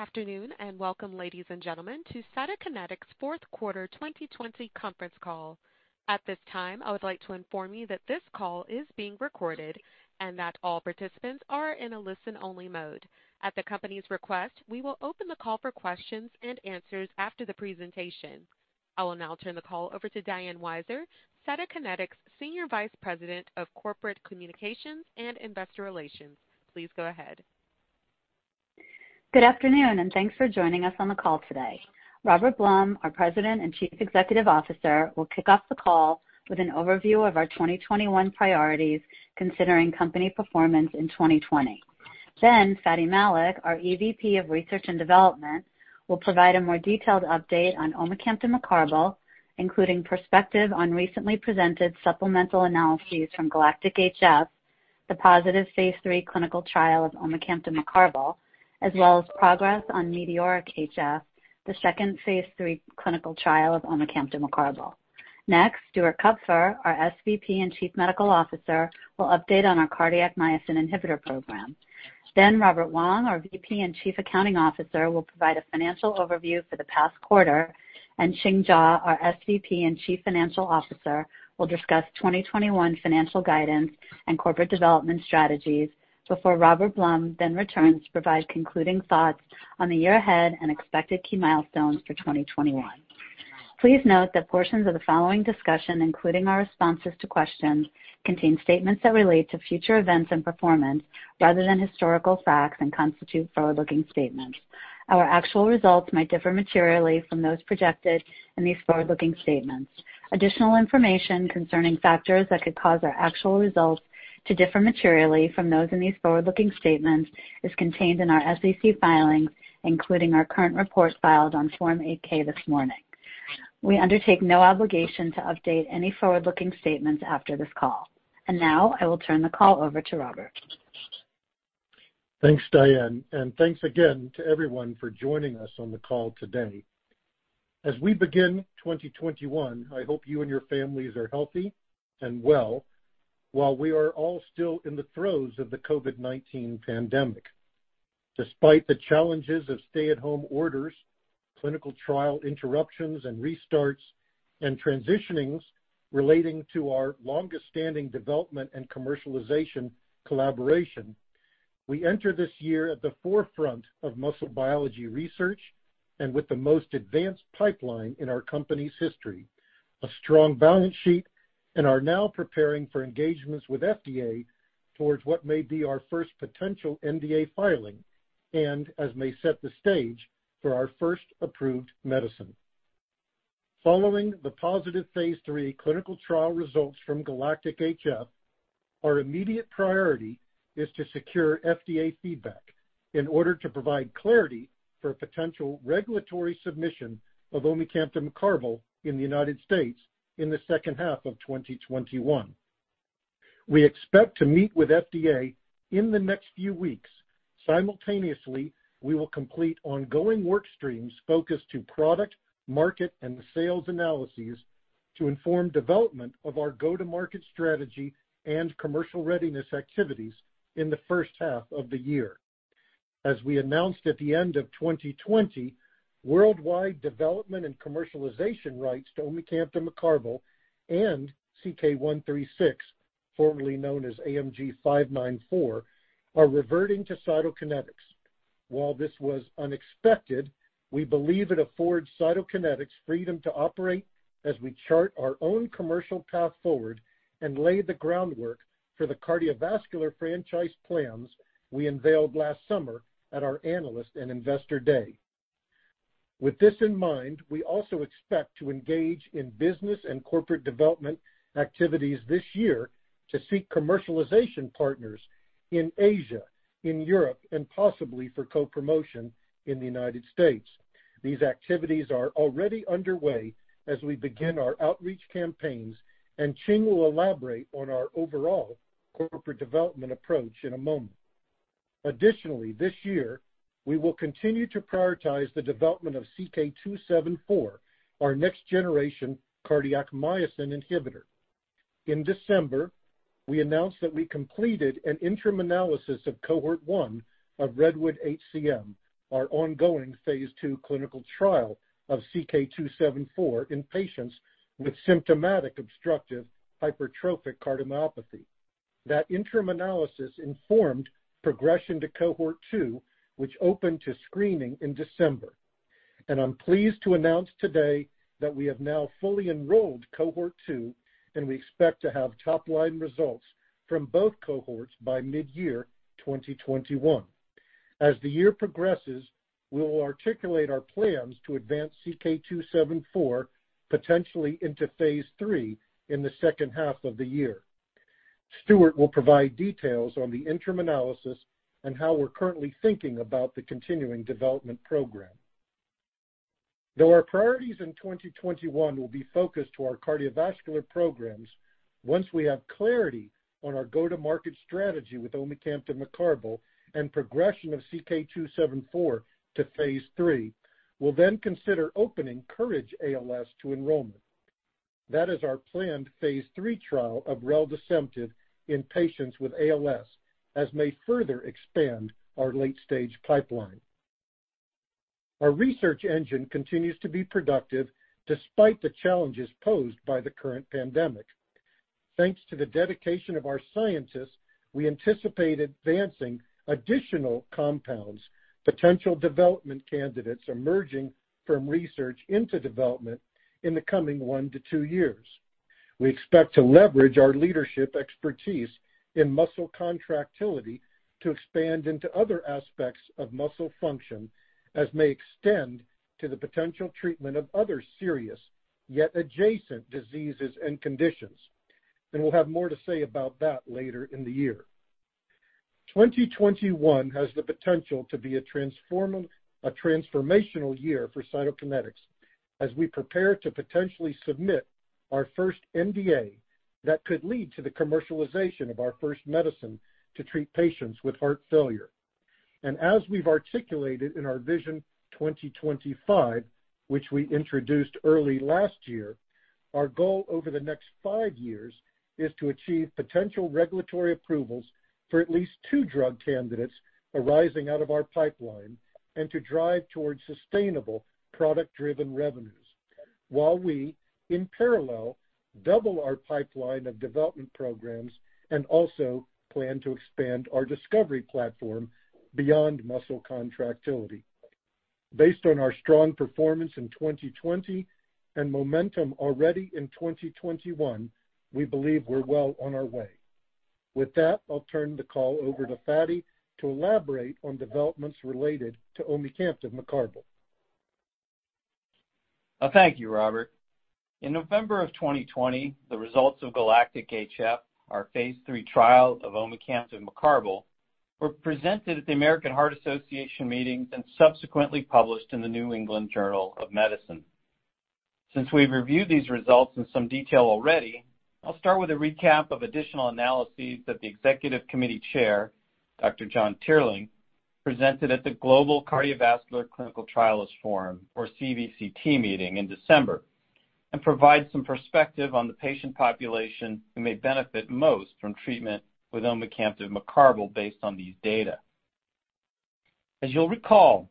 Good afternoon, and welcome, ladies and gentlemen, to Cytokinetics' Fourth Quarter 2020 Conference Call. At this time, I would like to inform you that this call is being recorded and that all participants are in a listen-only mode. At the company's request, we will open the call for questions and answers after the presentation. I will now turn the call over to Diane Weiser, Cytokinetics' Senior Vice President of Corporate Communications and Investor Relations. Please go ahead. Good afternoon, and thanks for joining us on the call today. Robert Blum, our President and Chief Executive Officer, will kick off the call with an overview of our 2021 priorities considering company performance in 2020. Fady Malik, our EVP of Research and Development, will provide a more detailed update on omecamtiv mecarbil, including perspective on recently presented supplemental analyses from GALACTIC-HF, the positive phase III clinical trial of omecamtiv mecarbil, as well as progress on METEORIC-HF, the second phase III clinical trial of omecamtiv mecarbil. Next, Stuart Kupfer, our SVP and Chief Medical Officer, will update on our cardiac myosin inhibitor program. Robert Wong, our VP and Chief Accounting Officer, will provide a financial overview for the past quarter, and Ching Jaw, our SVP and Chief Financial Officer, will discuss 2021 financial guidance and corporate development strategies before Robert Blum then returns to provide concluding thoughts on the year ahead and expected key milestones for 2021. Please note that portions of the following discussion, including our responses to questions, contain statements that relate to future events and performance rather than historical facts and constitute forward-looking statements. Our actual results may differ materially from those projected in these forward-looking statements. Additional information concerning factors that could cause our actual results to differ materially from those in these forward-looking statements is contained in our SEC filings, including our current report filed on Form 8-K this morning. We undertake no obligation to update any forward-looking statements after this call. Now I will turn the call over to Robert. Thanks, Diane. Thanks again to everyone for joining us on the call today. As we begin 2021, I hope you and your families are healthy and well while we are all still in the throes of the COVID-19 pandemic. Despite the challenges of stay-at-home orders, clinical trial interruptions and restarts, and transitionings relating to our longest-standing development and commercialization collaboration, we enter this year at the forefront of muscle biology research and with the most advanced pipeline in our company's history, a strong balance sheet, and are now preparing for engagements with FDA towards what may be our first potential NDA filing and as may set the stage for our first approved medicine. Following the positive phase III clinical trial results from GALACTIC-HF, our immediate priority is to secure FDA feedback in order to provide clarity for potential regulatory submission of omecamtiv mecarbil in the U.S. in the second half of 2021. We expect to meet with FDA in the next few weeks. Simultaneously, we will complete ongoing workstreams focused to product, market, and sales analyses to inform development of our go-to-market strategy and commercial readiness activities in the first half of the year. As we announced at the end of 2020, worldwide development and commercialization rights to omecamtiv mecarbil and CK-136, formerly known as AMG 594, are reverting to Cytokinetics. While this was unexpected, we believe it affords Cytokinetics freedom to operate as we chart our own commercial path forward and lay the groundwork for the cardiovascular franchise plans we unveiled last summer at our Analyst and Investor Day. With this in mind, we also expect to engage in business and corporate development activities this year to seek commercialization partners in Asia, in Europe, and possibly for co-promotion in the United States. These activities are already underway as we begin our outreach campaigns. Ching will elaborate on our overall corporate development approach in a moment. Additionally, this year, we will continue to prioritize the development of CK-274, our next-generation cardiac myosin inhibitor. In December, we announced that we completed an interim analysis of Cohort 1 of REDWOOD-HCM, our ongoing phase II clinical trial of CK-274 in patients with symptomatic obstructive hypertrophic cardiomyopathy. That interim analysis informed progression to Cohort 2, which opened to screening in December. I'm pleased to announce today that we have now fully enrolled Cohort 2, and we expect to have top-line results from both cohorts by mid-year 2021. As the year progresses, we will articulate our plans to advance CK-274 potentially into phase III in the second half of the year. Stuart will provide details on the interim analysis and how we're currently thinking about the continuing development program. Our priorities in 2021 will be focused to our cardiovascular programs, once we have clarity on our go-to-market strategy with omecamtiv mecarbil and progression of CK-274 to phase III, we'll then consider opening COURAGE-ALS to enrollment. That is our planned phase III trial of reldesemtiv in patients with ALS, as may further expand our late-stage pipeline. Our research engine continues to be productive despite the challenges posed by the current pandemic. Thanks to the dedication of our scientists, we anticipate advancing additional compounds, potential development candidates emerging from research into development in the coming one to two years. We expect to leverage our leadership expertise in muscle contractility to expand into other aspects of muscle function, as may extend to the potential treatment of other serious, yet adjacent diseases and conditions. We'll have more to say about that later in the year. 2021 has the potential to be a transformational year for Cytokinetics as we prepare to potentially submit our first NDA that could lead to the commercialization of our first medicine to treat patients with heart failure. As we've articulated in our Vision 2025, which we introduced early last year, our goal over the next five years is to achieve potential regulatory approvals for at least two drug candidates arising out of our pipeline, to drive towards sustainable product-driven revenues, while we, in parallel, double our pipeline of development programs and also plan to expand our discovery platform beyond muscle contractility. Based on our strong performance in 2020 and momentum already in 2021, we believe we're well on our way. With that, I'll turn the call over to Fady to elaborate on developments related to omecamtiv mecarbil. Thank you, Robert. In November of 2020, the results of GALACTIC-HF, our phase III trial of omecamtiv mecarbil, were presented at the American Heart Association meetings and subsequently published in the New England Journal of Medicine. Since we've reviewed these results in some detail already, I'll start with a recap of additional analyses that the Executive Committee Chair, Dr. John Teerlink, presented at the Global Cardiovascular Clinical Trials Forum, or CVCT meeting in December, and provide some perspective on the patient population who may benefit most from treatment with omecamtiv mecarbil based on these data. As you'll recall,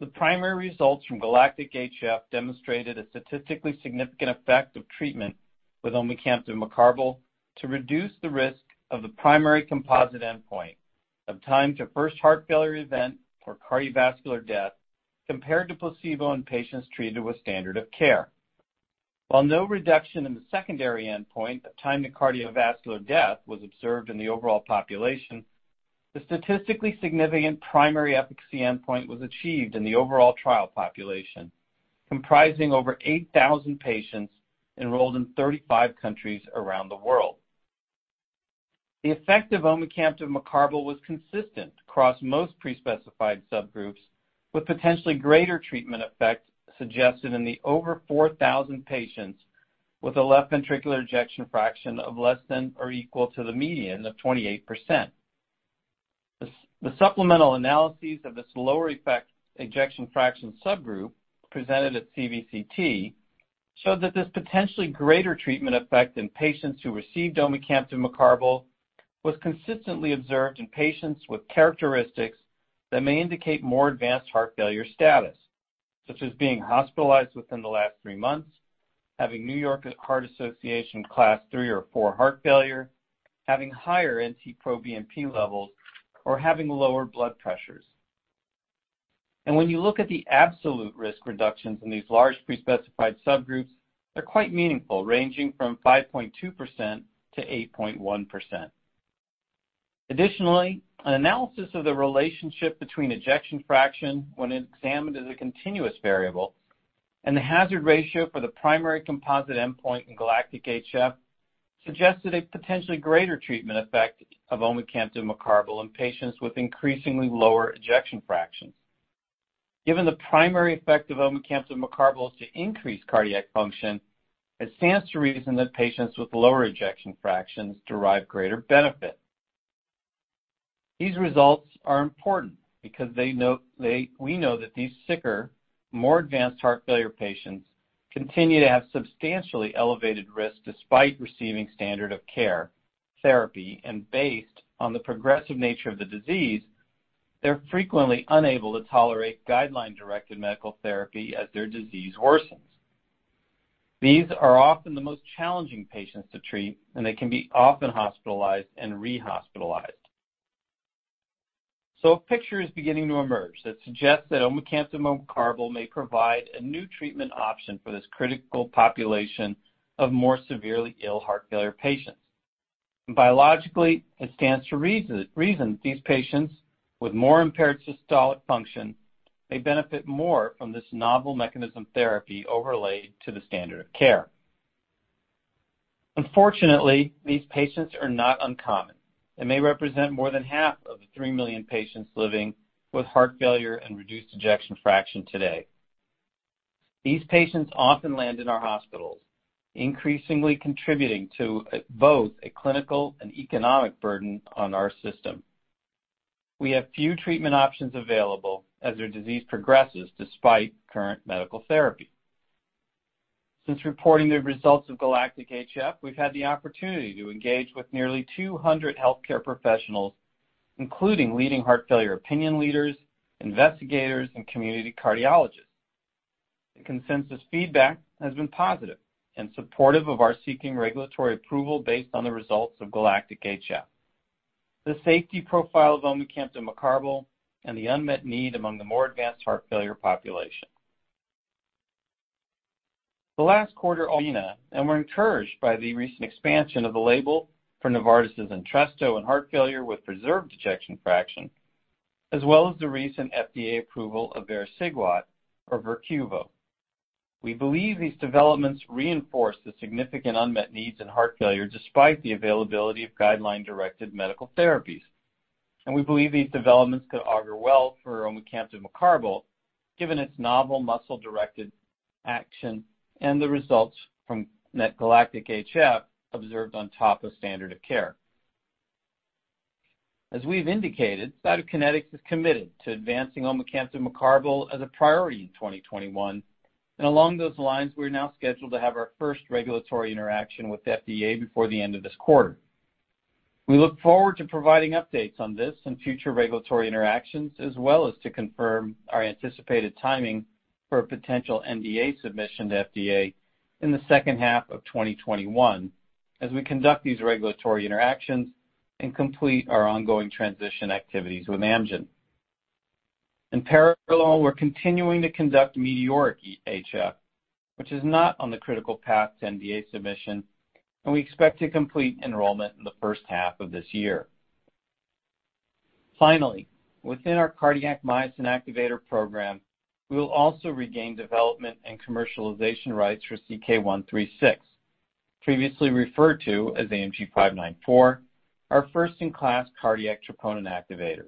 the primary results from GALACTIC-HF demonstrated a statistically significant effect of treatment with omecamtiv mecarbil to reduce the risk of the primary composite endpoint of time to first heart failure event or cardiovascular death, compared to placebo in patients treated with standard of care. While no reduction in the secondary endpoint of time to cardiovascular death was observed in the overall population, the statistically significant primary efficacy endpoint was achieved in the overall trial population, comprising over 8,000 patients enrolled in 35 countries around the world. The effect of omecamtiv mecarbil was consistent across most pre-specified subgroups, with potentially greater treatment effect suggested in the over 4,000 patients with a left ventricular ejection fraction of less than or equal to the median of 28%. The supplemental analyses of this lower effect ejection fraction subgroup presented at CVCT showed that this potentially greater treatment effect in patients who received omecamtiv mecarbil was consistently observed in patients with characteristics that may indicate more advanced heart failure status, such as being hospitalized within the last three months, having New York Heart Association Class III or IV heart failure, having higher NT-proBNP levels, or having lower blood pressures. When you look at the absolute risk reductions in these large pre-specified subgroups, they're quite meaningful, ranging from 5.2%-8.1%. Additionally, an analysis of the relationship between ejection fraction when examined as a continuous variable and the hazard ratio for the primary composite endpoint in GALACTIC-HF suggested a potentially greater treatment effect of omecamtiv mecarbil in patients with increasingly lower ejection fractions. Given the primary effect of omecamtiv mecarbil is to increase cardiac function, it stands to reason that patients with lower ejection fractions derive greater benefit. These results are important because we know that these sicker, more advanced heart failure patients continue to have substantially elevated risk despite receiving standard of care therapy. Based on the progressive nature of the disease, they're frequently unable to tolerate guideline-directed medical therapy as their disease worsens. These are often the most challenging patients to treat, they can be often hospitalized and re-hospitalized. A picture is beginning to emerge that suggests that omecamtiv mecarbil may provide a new treatment option for this critical population of more severely ill heart failure patients. Biologically, it stands to reason that these patients with more impaired systolic function may benefit more from this novel mechanism therapy overlaid to the standard of care. Unfortunately, these patients are not uncommon and may represent more than half of the 3 million patients living with heart failure and reduced ejection fraction today. These patients often land in our hospitals, increasingly contributing to both a clinical and economic burden on our system. We have few treatment options available as their disease progresses despite current medical therapy. Since reporting the results of GALACTIC-HF, we've had the opportunity to engage with nearly 200 healthcare professionals, including leading heart failure opinion leaders, investigators, and community cardiologists. The consensus feedback has been positive and supportive of our seeking regulatory approval based on the results of GALACTIC-HF, the safety profile of omecamtiv mecarbil and the unmet need among the more advanced heart failure population. We were encouraged by the recent expansion of the label for Novartis' Entresto in heart failure with preserved ejection fraction, as well as the recent FDA approval of vericiguat or Verquvo. We believe these developments reinforce the significant unmet needs in heart failure despite the availability of guideline-directed medical therapies. We believe these developments could augur well for omecamtiv mecarbil, given its novel muscle-directed action and the results from that GALACTIC-HF observed on top of standard of care. As we've indicated, Cytokinetics is committed to advancing omecamtiv mecarbil as a priority in 2021. Along those lines, we're now scheduled to have our first regulatory interaction with the FDA before the end of this quarter. We look forward to providing updates on this in future regulatory interactions, as well as to confirm our anticipated timing for a potential NDA submission to FDA in the second half of 2021 as we conduct these regulatory interactions and complete our ongoing transition activities with Amgen. In parallel, we're continuing to conduct METEORIC-HF, which is not on the critical path to NDA submission, and we expect to complete enrollment in the first half of this year. Finally, within our cardiac myosin activator program, we will also regain development and commercialization rights for CK-136, previously referred to as AMG 594, our first-in-class cardiac troponin activator.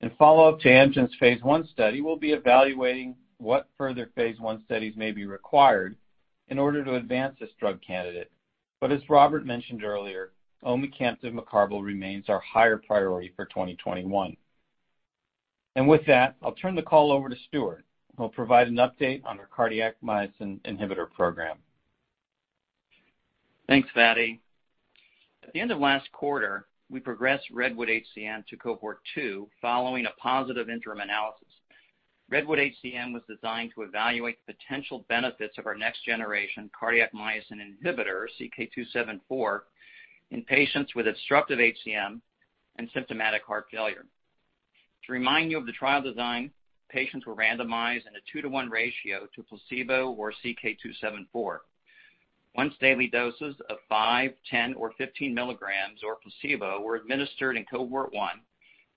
In follow-up to Amgen's phase I study, we'll be evaluating what further phase I studies may be required in order to advance this drug candidate. As Robert mentioned earlier, omecamtiv mecarbil remains our higher priority for 2021. With that, I'll turn the call over to Stuart, who will provide an update on our cardiac myosin inhibitor program. Thanks, Fady. At the end of last quarter, we progressed REDWOOD-HCM to Cohort 2 following a positive interim analysis. REDWOOD-HCM was designed to evaluate the potential benefits of our next-generation cardiac myosin inhibitor, CK-274, in patients with obstructive HCM and symptomatic heart failure. To remind you of the trial design, patients were randomized in a 2:1 ratio to placebo or CK-274. Once-daily doses of 5 mg, 10 mg, or 15 mg of placebo were administered in Cohort 1,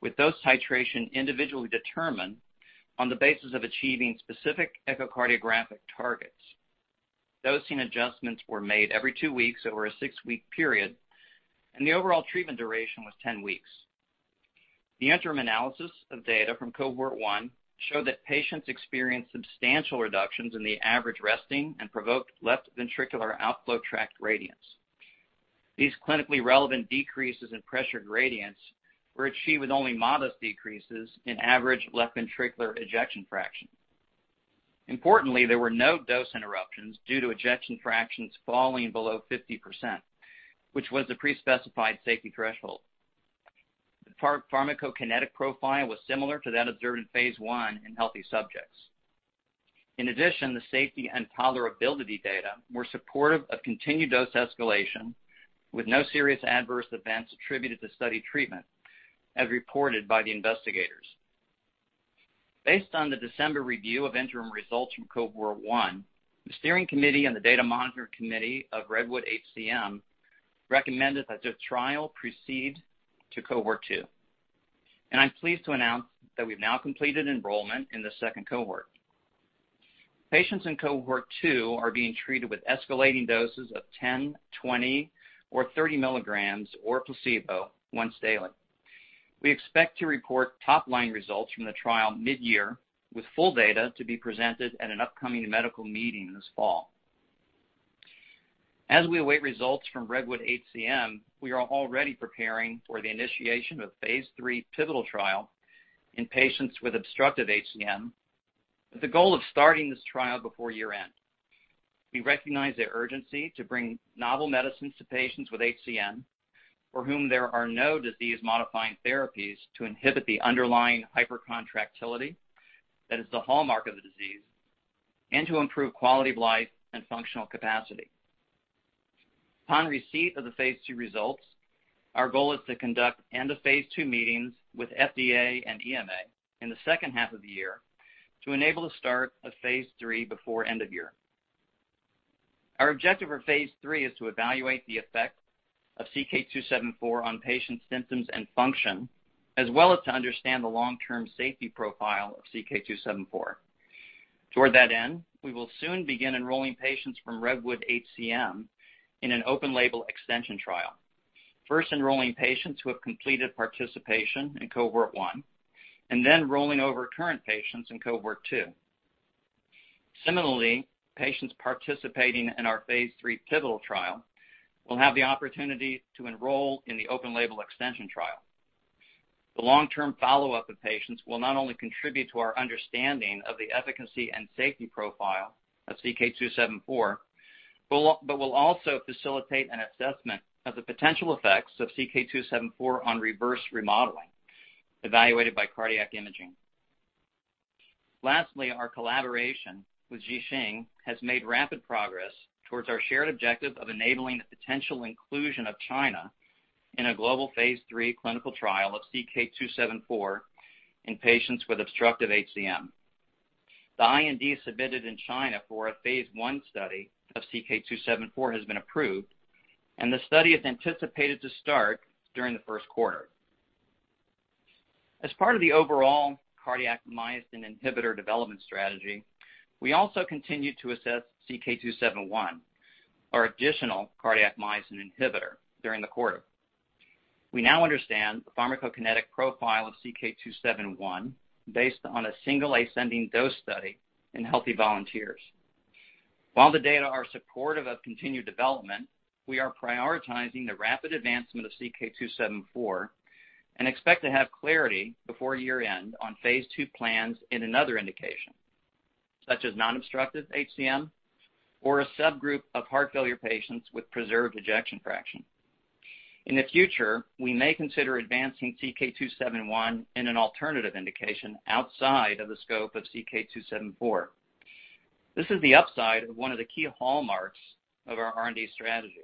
with dose titration individually determined on the basis of achieving specific echocardiographic targets. Dosing adjustments were made every two weeks over a six-week period. The overall treatment duration was 10 weeks. The interim analysis of data from Cohort 1 showed that patients experienced substantial reductions in the average resting and provoked left ventricular outflow tract gradients. These clinically relevant decreases in pressure gradients were achieved with only modest decreases in average left ventricular ejection fraction. Importantly, there were no dose interruptions due to ejection fractions falling below 50%, which was the pre-specified safety threshold. The pharmacokinetic profile was similar to that observed in phase I in healthy subjects. The safety and tolerability data were supportive of continued dose escalation, with no serious adverse events attributed to study treatment, as reported by the investigators. Based on the December review of interim results from Cohort 1, the steering committee and the data monitor committee of REDWOOD-HCM recommended that the trial proceed to Cohort 2. I'm pleased to announce that we've now completed enrollment in the second cohort. Patients in Cohort 2 are being treated with escalating doses of 10 mg, 20 mg, or 30 mg or placebo once daily. We expect to report top-line results from the trial mid-year, with full data to be presented at an upcoming medical meeting this fall. As we await results from REDWOOD-HCM, we are already preparing for the initiation of a phase III pivotal trial in patients with obstructive HCM, with the goal of starting this trial before year-end. We recognize the urgency to bring novel medicines to patients with HCM, for whom there are no disease-modifying therapies to inhibit the underlying hypercontractility that is the hallmark of the disease and to improve quality of life and functional capacity. Upon receipt of the phase II results, our goal is to conduct end-of-phase II meetings with FDA and EMA in the second half of the year to enable the start of phase III before end of year. Our objective for phase III is to evaluate the effect of CK-274 on patients' symptoms and function, as well as to understand the long-term safety profile of CK-274. Toward that end, we will soon begin enrolling patients from REDWOOD-HCM in an open-label extension trial. First enrolling patients who have completed participation in Cohort 1, and then rolling over current patients in Cohort 2. Similarly, patients participating in our phase III pivotal trial will have the opportunity to enroll in the open-label extension trial. The long-term follow-up of patients will not only contribute to our understanding of the efficacy and safety profile of CK-274, but will also facilitate an assessment of the potential effects of CK-274 on reverse remodeling, evaluated by cardiac imaging. Lastly, our collaboration with JIXING has made rapid progress towards our shared objective of enabling the potential inclusion of China in a global phase III clinical trial of CK-274 in patients with obstructive HCM. The IND submitted in China for a phase I study of CK-274 has been approved, and the study is anticipated to start during the first quarter. As part of the overall cardiac myosin inhibitor development strategy, we also continued to assess CK-271, our additional cardiac myosin inhibitor during the quarter. We now understand the pharmacokinetic profile of CK-271 based on a single ascending dose study in healthy volunteers. While the data are supportive of continued development, we are prioritizing the rapid advancement of CK-274 and expect to have clarity before year-end on phase II plans in another indication, such as non-obstructive HCM or a subgroup of heart failure patients with preserved ejection fraction. In the future, we may consider advancing CK-271 in an alternative indication outside of the scope of CK-274. This is the upside of one of the key hallmarks of our R&D strategy,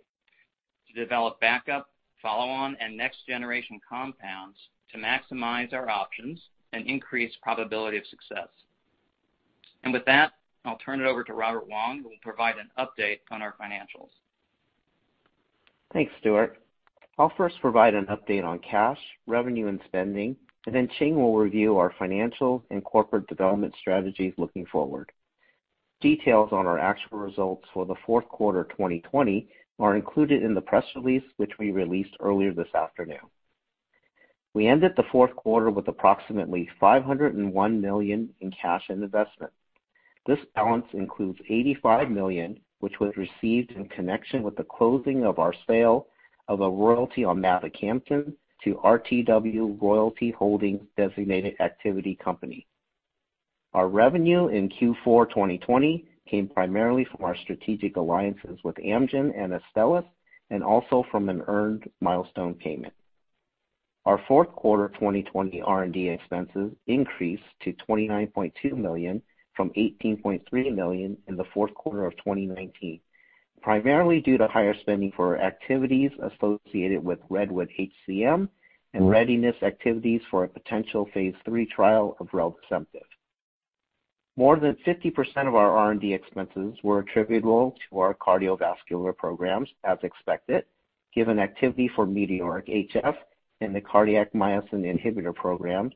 to develop backup, follow-on, and next-generation compounds to maximize our options and increase probability of success. With that, I'll turn it over to Robert Wong, who will provide an update on our financials. Thanks, Stuart. I'll first provide an update on cash, revenue, and spending, and then Ching will review our financial and corporate development strategies looking forward. Details on our actual results for the fourth quarter 2020 are included in the press release, which we released earlier this afternoon. We ended the fourth quarter with approximately $501 million in cash and investment. This balance includes $85 million, which was received in connection with the closing of our sale of a royalty on mavacamten to RTW Royalty Holdings Designated Activity Company. Our revenue in Q4 2020 came primarily from our strategic alliances with Amgen and Astellas and also from an earned milestone payment. Our fourth quarter 2020 R&D expenses increased to $29.2 million from $18.3 million in the fourth quarter of 2019, primarily due to higher spending for activities associated with REDWOOD-HCM and readiness activities for a potential phase III trial of reldesemtiv. More than 50% of our R&D expenses were attributable to our cardiovascular programs, as expected, given activity for METEORIC-HF and the cardiac myosin inhibitor program,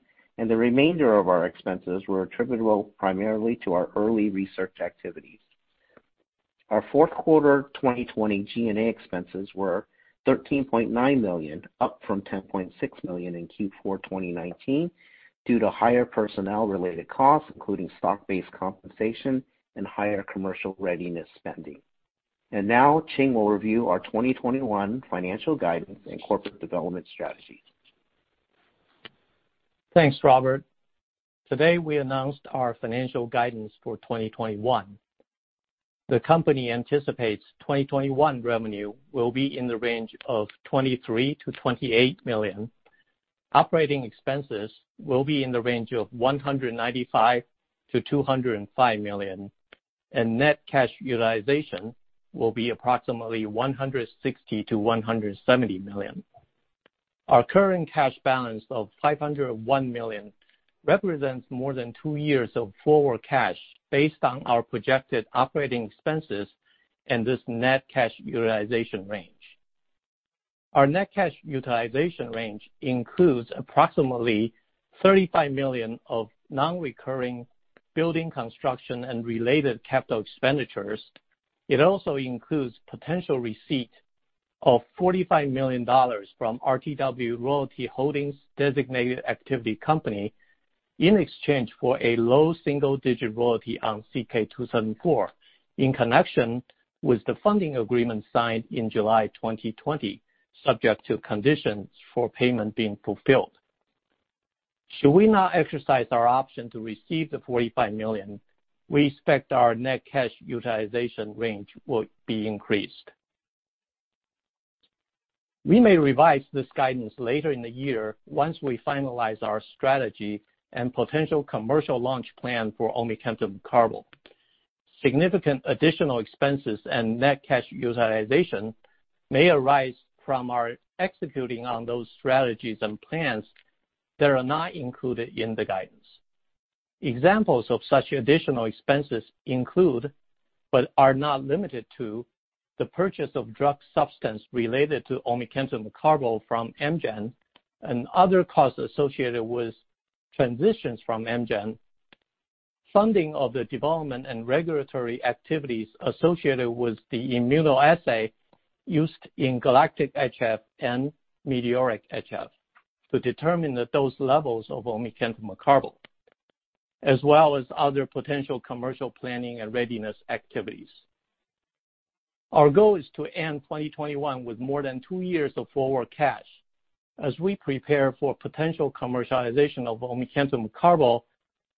the remainder of our expenses were attributable primarily to our early research activities. Our fourth quarter 2020 G&A expenses were $13.9 million, up from $10.6 million in Q4 2019 due to higher personnel-related costs, including stock-based compensation and higher commercial readiness spending. Now Ching will review our 2021 financial guidance and corporate development strategy. Thanks, Robert. Today, we announced our financial guidance for 2021. The company anticipates 2021 revenue will be in the range of $23 million-$28 million. Operating expenses will be in the range of $195 million-$205 million, and net cash utilization will be approximately $160 million-$170 million. Our current cash balance of $501 million represents more than two years of forward cash based on our projected operating expenses and this net cash utilization range. Our net cash utilization range includes approximately $35 million of non-recurring building construction and related capital expenditures. It also includes potential receipt of $45 million from RTW Royalty Holdings Designated Activity Company in exchange for a low single-digit royalty on CK-274 in connection with the funding agreement signed in July 2020, subject to conditions for payment being fulfilled. Should we not exercise our option to receive the $45 million, we expect our net cash utilization range will be increased. We may revise this guidance later in the year once we finalize our strategy and potential commercial launch plan for omecamtiv mecarbil. Significant additional expenses and net cash utilization may arise from our executing on those strategies and plans that are not included in the guidance. Examples of such additional expenses include, but are not limited to, the purchase of drug substance related to omecamtiv mecarbil from Amgen and other costs associated with transitions from Amgen, funding of the development and regulatory activities associated with the immunoassay used in GALACTIC-HF and METEORIC-HF to determine the dose levels of omecamtiv mecarbil, as well as other potential commercial planning and readiness activities. Our goal is to end 2021 with more than two years of forward cash. As we prepare for potential commercialization of omecamtiv mecarbil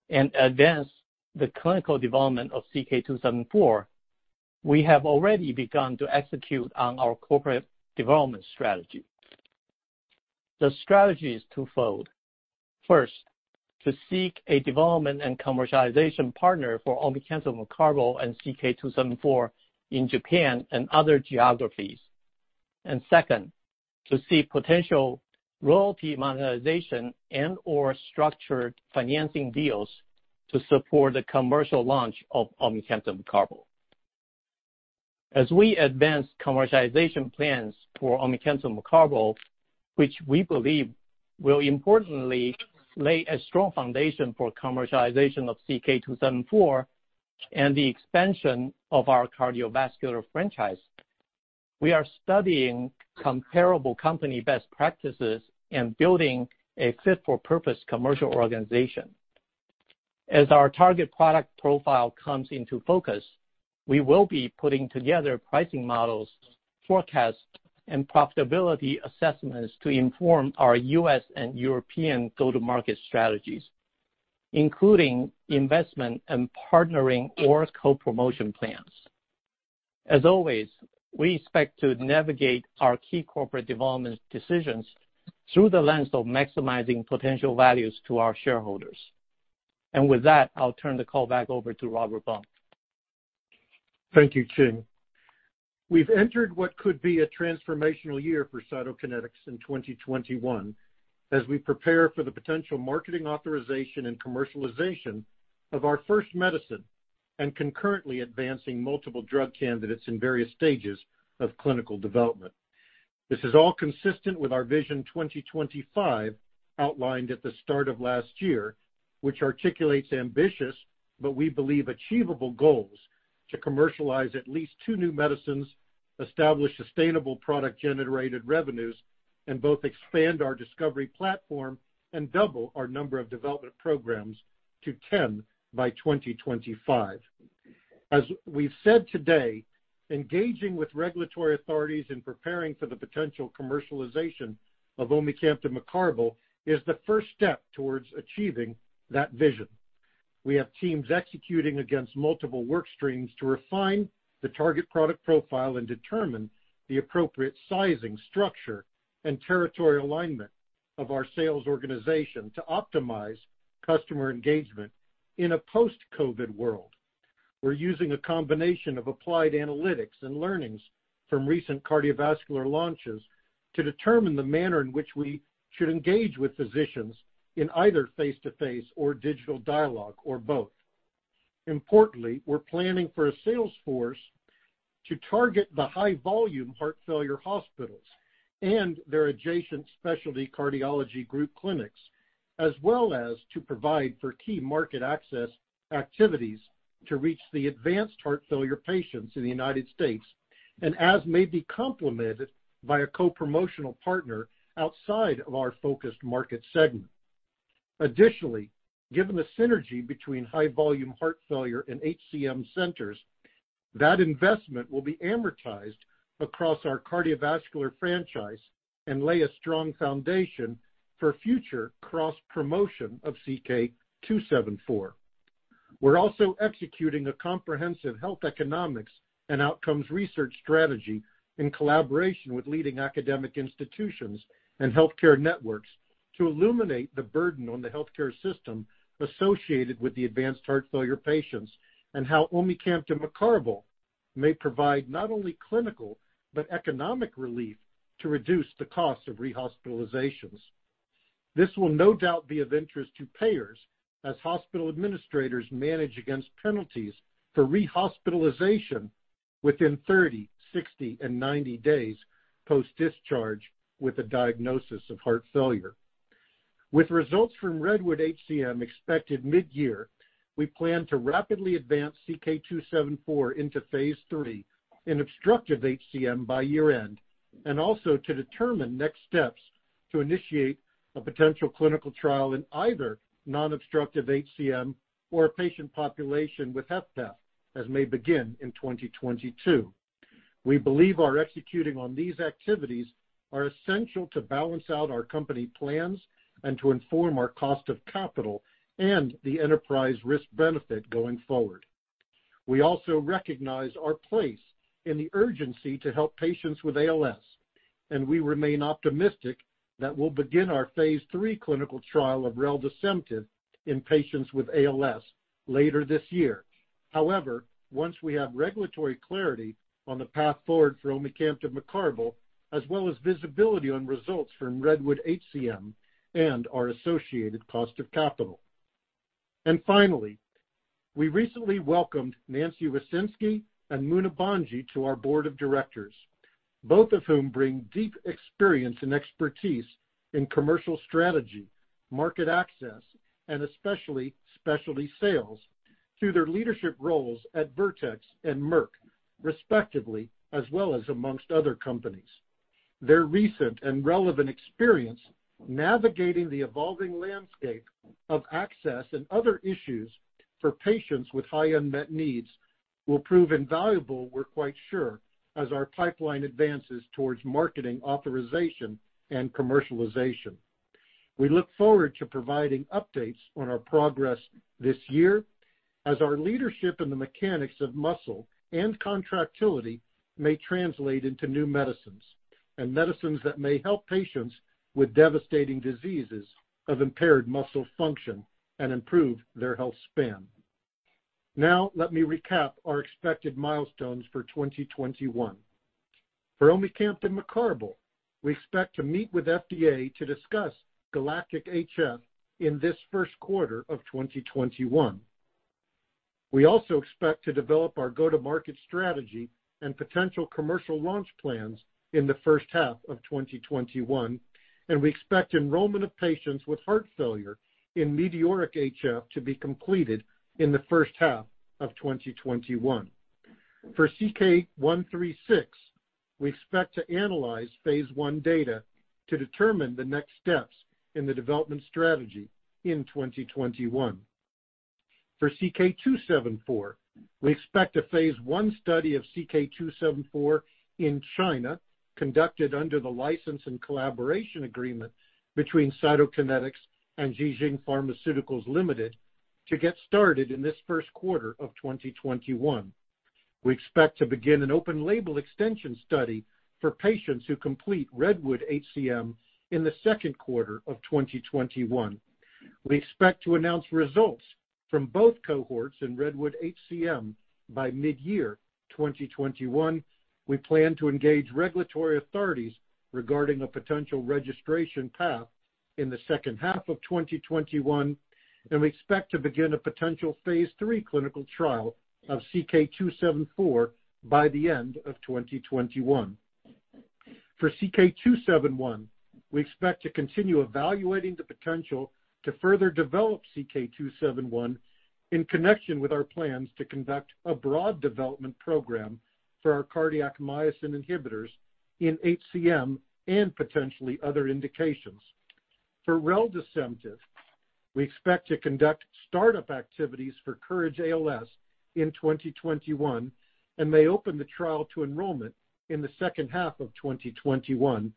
and advance the clinical development of CK-274, we have already begun to execute on our corporate development strategy. The strategy is twofold. First, to seek a development and commercialization partner for omecamtiv mecarbil and CK-274 in Japan and other geographies. Second, to seek potential royalty monetization and/or structured financing deals to support the commercial launch of omecamtiv mecarbil. As we advance commercialization plans for omecamtiv mecarbil, which we believe will importantly lay a strong foundation for commercialization of CK-274 and the expansion of our cardiovascular franchise, we are studying comparable company best practices and building a fit-for-purpose commercial organization. As our target product profile comes into focus, we will be putting together pricing models, forecasts, and profitability assessments to inform our U.S. and European go-to-market strategies, including investment in partnering or co-promotion plans. As always, we expect to navigate our key corporate development decisions through the lens of maximizing potential values to our shareholders. With that, I'll turn the call back over to Robert Blum. Thank you, Ching. We've entered what could be a transformational year for Cytokinetics in 2021, as we prepare for the potential marketing authorization and commercialization of our first medicine and concurrently advancing multiple drug candidates in various stages of clinical development. This is all consistent with our Vision 2025 outlined at the start of last year, which articulates ambitious but we believe achievable goals to commercialize at least two new medicines, establish sustainable product-generated revenues, and both expand our discovery platform and double our number of development programs to 10 by 2025. As we've said today, engaging with regulatory authorities and preparing for the potential commercialization of omecamtiv mecarbil is the first step towards achieving that vision. We have teams executing against multiple work streams to refine the target product profile and determine the appropriate sizing, structure, and territory alignment of our sales organization to optimize customer engagement in a post-COVID world. We're using a combination of applied analytics and learnings from recent cardiovascular launches to determine the manner in which we should engage with physicians in either face-to-face or digital dialogue or both. Importantly, we're planning for a sales force to target the high-volume heart failure hospitals and their adjacent specialty cardiology group clinics, as well as to provide for key market access activities to reach the advanced heart failure patients in the United States, and as may be complemented by a co-promotional partner outside of our focused market segment. Given the synergy between high volume heart failure and HCM centers, that investment will be amortized across our cardiovascular franchise and lay a strong foundation for future cross-promotion of CK-274. We're also executing a comprehensive health economics and outcomes research strategy in collaboration with leading academic institutions and healthcare networks to illuminate the burden on the healthcare system associated with the advanced heart failure patients and how omecamtiv mecarbil may provide not only clinical but economic relief to reduce the cost of rehospitalizations. This will no doubt be of interest to payers as hospital administrators manage against penalties for rehospitalization within 30, 60, and 90 days post-discharge with a diagnosis of heart failure. With results from REDWOOD-HCM expected mid-year, we plan to rapidly advance CK-274 into phase III in obstructive HCM by year-end, and also to determine next steps to initiate a potential clinical trial in either non-obstructive HCM or a patient population with HFpEF, as may begin in 2022. We believe our executing on these activities are essential to balance out our company plans and to inform our cost of capital and the enterprise risk-benefit going forward. We also recognize our place in the urgency to help patients with ALS. We remain optimistic that we'll begin our phase III clinical trial of reldesemtiv in patients with ALS later this year. However, once we have regulatory clarity on the path forward for omecamtiv mecarbil, as well as visibility on results from REDWOOD-HCM and our associated cost of capital. Finally, we recently welcomed Nancy Wysenski and Muna Bhanji to our Board of Directors, both of whom bring deep experience and expertise in commercial strategy, market access, and especially specialty sales. Through their leadership roles at Vertex and Merck, respectively, as well as amongst other companies. Their recent and relevant experience navigating the evolving landscape of access and other issues for patients with high unmet needs will prove invaluable, we're quite sure, as our pipeline advances towards marketing authorization and commercialization. We look forward to providing updates on our progress this year as our leadership in the mechanics of muscle and contractility may translate into new medicines, and medicines that may help patients with devastating diseases of impaired muscle function and improve their health span. Now, let me recap our expected milestones for 2021. For omecamtiv mecarbil, we expect to meet with FDA to discuss GALACTIC-HF in this first quarter of 2021. We also expect to develop our go-to-market strategy and potential commercial launch plans in the first half of 2021. We expect enrollment of patients with heart failure in METEORIC-HF to be completed in the first half of 2021. For CK-136, we expect to analyze phase I data to determine the next steps in the development strategy in 2021. For CK-274, we expect a phase I study of CK-274 in China, conducted under the license and collaboration agreement between Cytokinetics and JIXING Pharmaceuticals Limited, to get started in this first quarter of 2021. We expect to begin an open label extension study for patients who complete REDWOOD-HCM in the second quarter of 2021. We expect to announce results from both cohorts in REDWOOD-HCM by mid-year 2021. We plan to engage regulatory authorities regarding a potential registration path in the second half of 2021, we expect to begin a potential phase III clinical trial of CK-274 by the end of 2021. For CK-271, we expect to continue evaluating the potential to further develop CK-271 in connection with our plans to conduct a broad development program for our cardiac myosin inhibitors in HCM and potentially other indications. For reldesemtiv, we expect to conduct startup activities for COURAGE-ALS in 2021 and may open the trial to enrollment in the second half of 2021,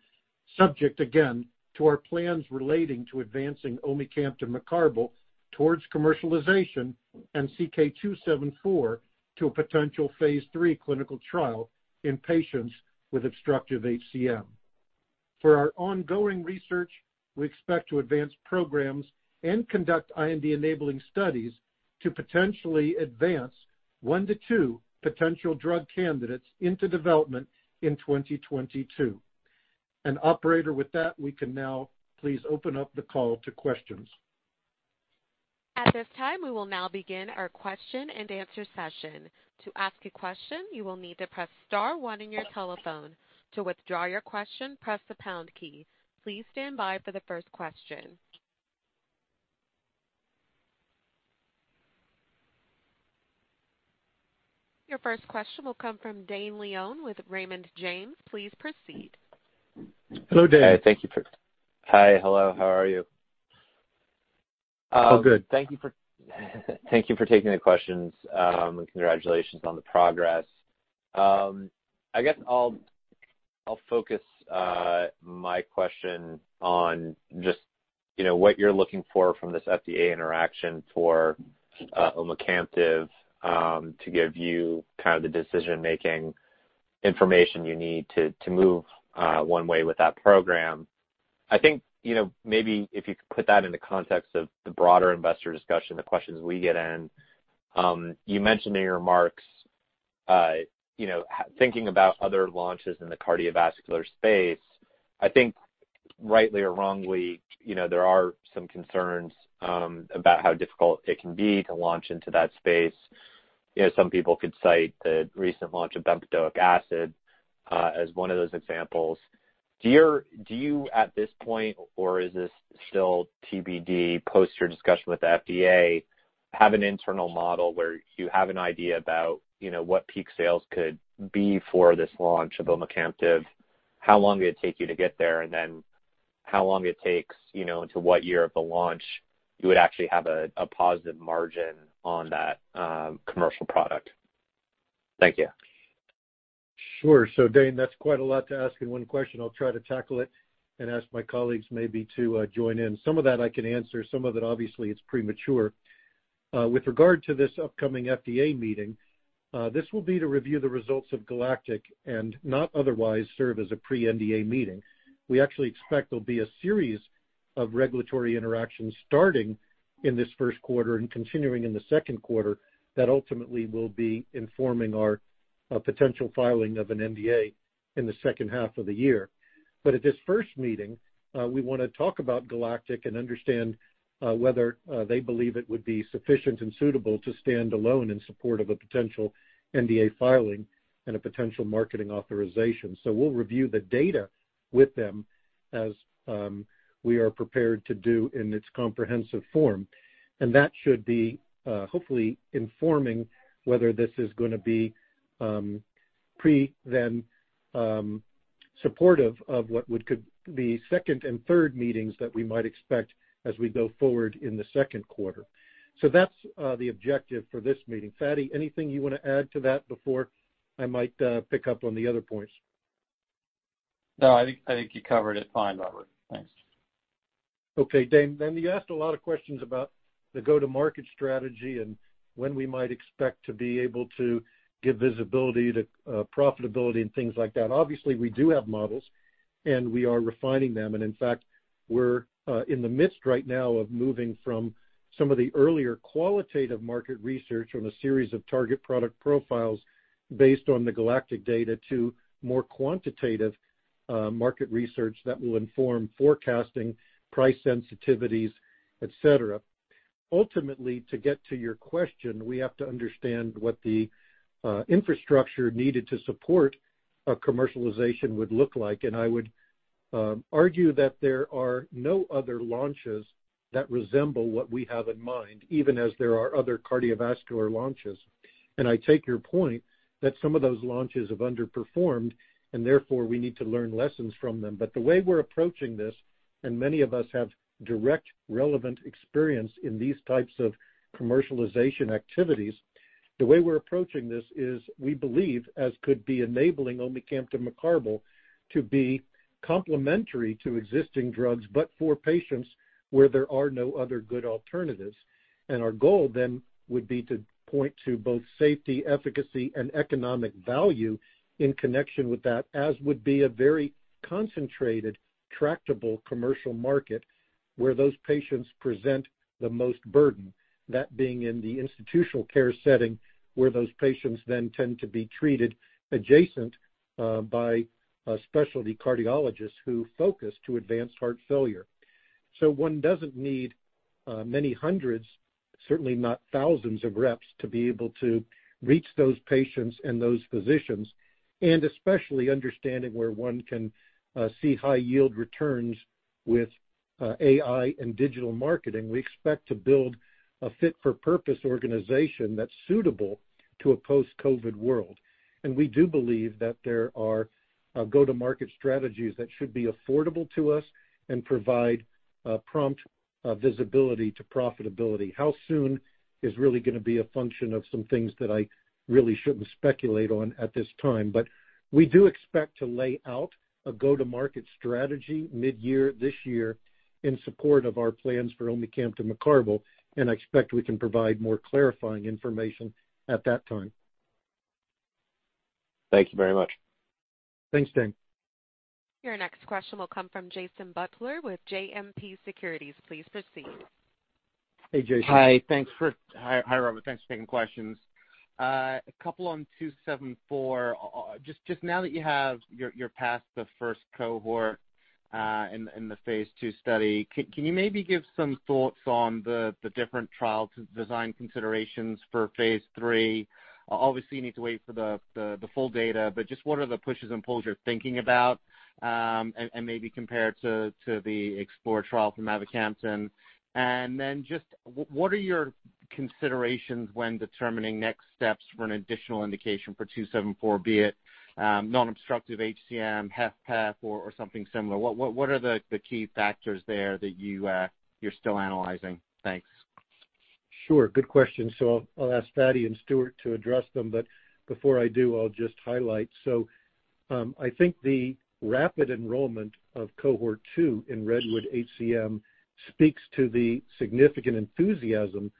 subject again to our plans relating to advancing omecamtiv mecarbil towards commercialization and CK-274 to a potential phase III clinical trial in patients with obstructive HCM. For our ongoing research, we expect to advance programs and conduct IND-enabling studies to potentially advance one to two potential drug candidates into development in 2022. Operator, with that, we can now please open up the call to questions. At this time, we will now begin our question and answer session. To ask a question, you will need to press star one on your telephone. To withdraw your question, press the pound key. Please stand by for the first question. Your first question will come from Dane Leone with Raymond James. Please proceed. Hello, Dane. Hi. Hello, how are you? All good. Thank you for taking the questions. Congratulations on the progress. I guess I'll focus my question on just what you are looking for from this FDA interaction for omecamtiv to give you the decision-making information you need to move one way with that program. I think maybe if you could put that into context of the broader investor discussion, the questions we get in. You mentioned in your remarks thinking about other launches in the cardiovascular space. I think rightly or wrongly there are some concerns about how difficult it can be to launch into that space. Some people could cite the recent launch of bempedoic acid as one of those examples. Do you, at this point, or is this still TBD post your discussion with the FDA, have an internal model where you have an idea about what peak sales could be for this launch of omecamtiv? How long did it take you to get there, and then how long it takes into what year of the launch you would actually have a positive margin on that commercial product? Thank you. Sure. Dane, that's quite a lot to ask in one question. I'll try to tackle it and ask my colleagues maybe to join in. Some of that I can answer, some of it obviously is premature. With regard to this upcoming FDA meeting, this will be to review the results of GALACTIC-HF and not otherwise serve as a pre-NDA meeting. We actually expect there'll be a series of regulatory interactions starting in this first quarter and continuing in the second quarter that ultimately will be informing our potential filing of an NDA in the second half of the year. At this first meeting, we want to talk about GALACTIC-HF and understand whether they believe it would be sufficient and suitable to stand alone in support of a potential NDA filing and a potential marketing authorization. We'll review the data with them as we are prepared to do in its comprehensive form. That should be hopefully informing whether this is going to be pre then supportive of what could be second and third meetings that we might expect as we go forward in the second quarter. That's the objective for this meeting. Fady, anything you want to add to that before I might pick up on the other points? No, I think you covered it fine, Robert. Thanks. Okay. Dane, you asked a lot of questions about the go-to-market strategy and when we might expect to be able to give visibility to profitability and things like that. Obviously, we do have models, and we are refining them. In fact, we're in the midst right now of moving from some of the earlier qualitative market research on a series of target product profiles based on the GALACTIC-HF data to more quantitative market research that will inform forecasting, price sensitivities, et cetera. Ultimately, to get to your question, we have to understand what the infrastructure needed to support a commercialization would look like. I would argue that there are no other launches that resemble what we have in mind, even as there are other cardiovascular launches. I take your point that some of those launches have underperformed, and therefore we need to learn lessons from them. The way we're approaching this, and many of us have direct relevant experience in these types of commercialization activities, the way we're approaching this is we believe as could be enabling omecamtiv mecarbil to be complementary to existing drugs, but for patients where there are no other good alternatives. Our goal then would be to point to both safety, efficacy, and economic value in connection with that, as would be a very concentrated, tractable commercial market where those patients present the most burden, that being in the institutional care setting, where those patients then tend to be treated adjacent by specialty cardiologists who focus to advanced heart failure. One doesn't need many hundreds, certainly not thousands of reps to be able to reach those patients and those physicians, and especially understanding where one can see high yield returns with AI and digital marketing. We expect to build a fit-for-purpose organization that's suitable to a post-COVID-19 world. We do believe that there are go-to-market strategies that should be affordable to us and provide prompt visibility to profitability. How soon is really going to be a function of some things that I really shouldn't speculate on at this time. But we do expect to lay out a go-to-market strategy mid-year this year in support of our plans for omecamtiv mecarbil, and I expect we can provide more clarifying information at that time. Thank you very much. Thanks, Dane. Your next question will come from Jason Butler with JMP Securities. Please proceed. Hey, Jason. Hi, Robert. Thanks for taking questions. A couple on 274. Just now that you're past the first cohort in the phase II study, can you maybe give some thoughts on the different trial design considerations for phase III? Obviously, you need to wait for the full data, but just what are the pushes and pulls you're thinking about, and maybe compare it to the EXPLORER-HCM trial for mavacamten. Just what are your considerations when determining next steps for an additional indication for 274, be it non-obstructive HCM, HFpEF or something similar? What are the key factors there that you're still analyzing? Thanks. Sure. Good question. I'll ask Fady and Stuart to address them, but before I do, I'll just highlight. I think the rapid enrollment of Cohort 2 in REDWOOD-HCM speaks to the significant enthusiasm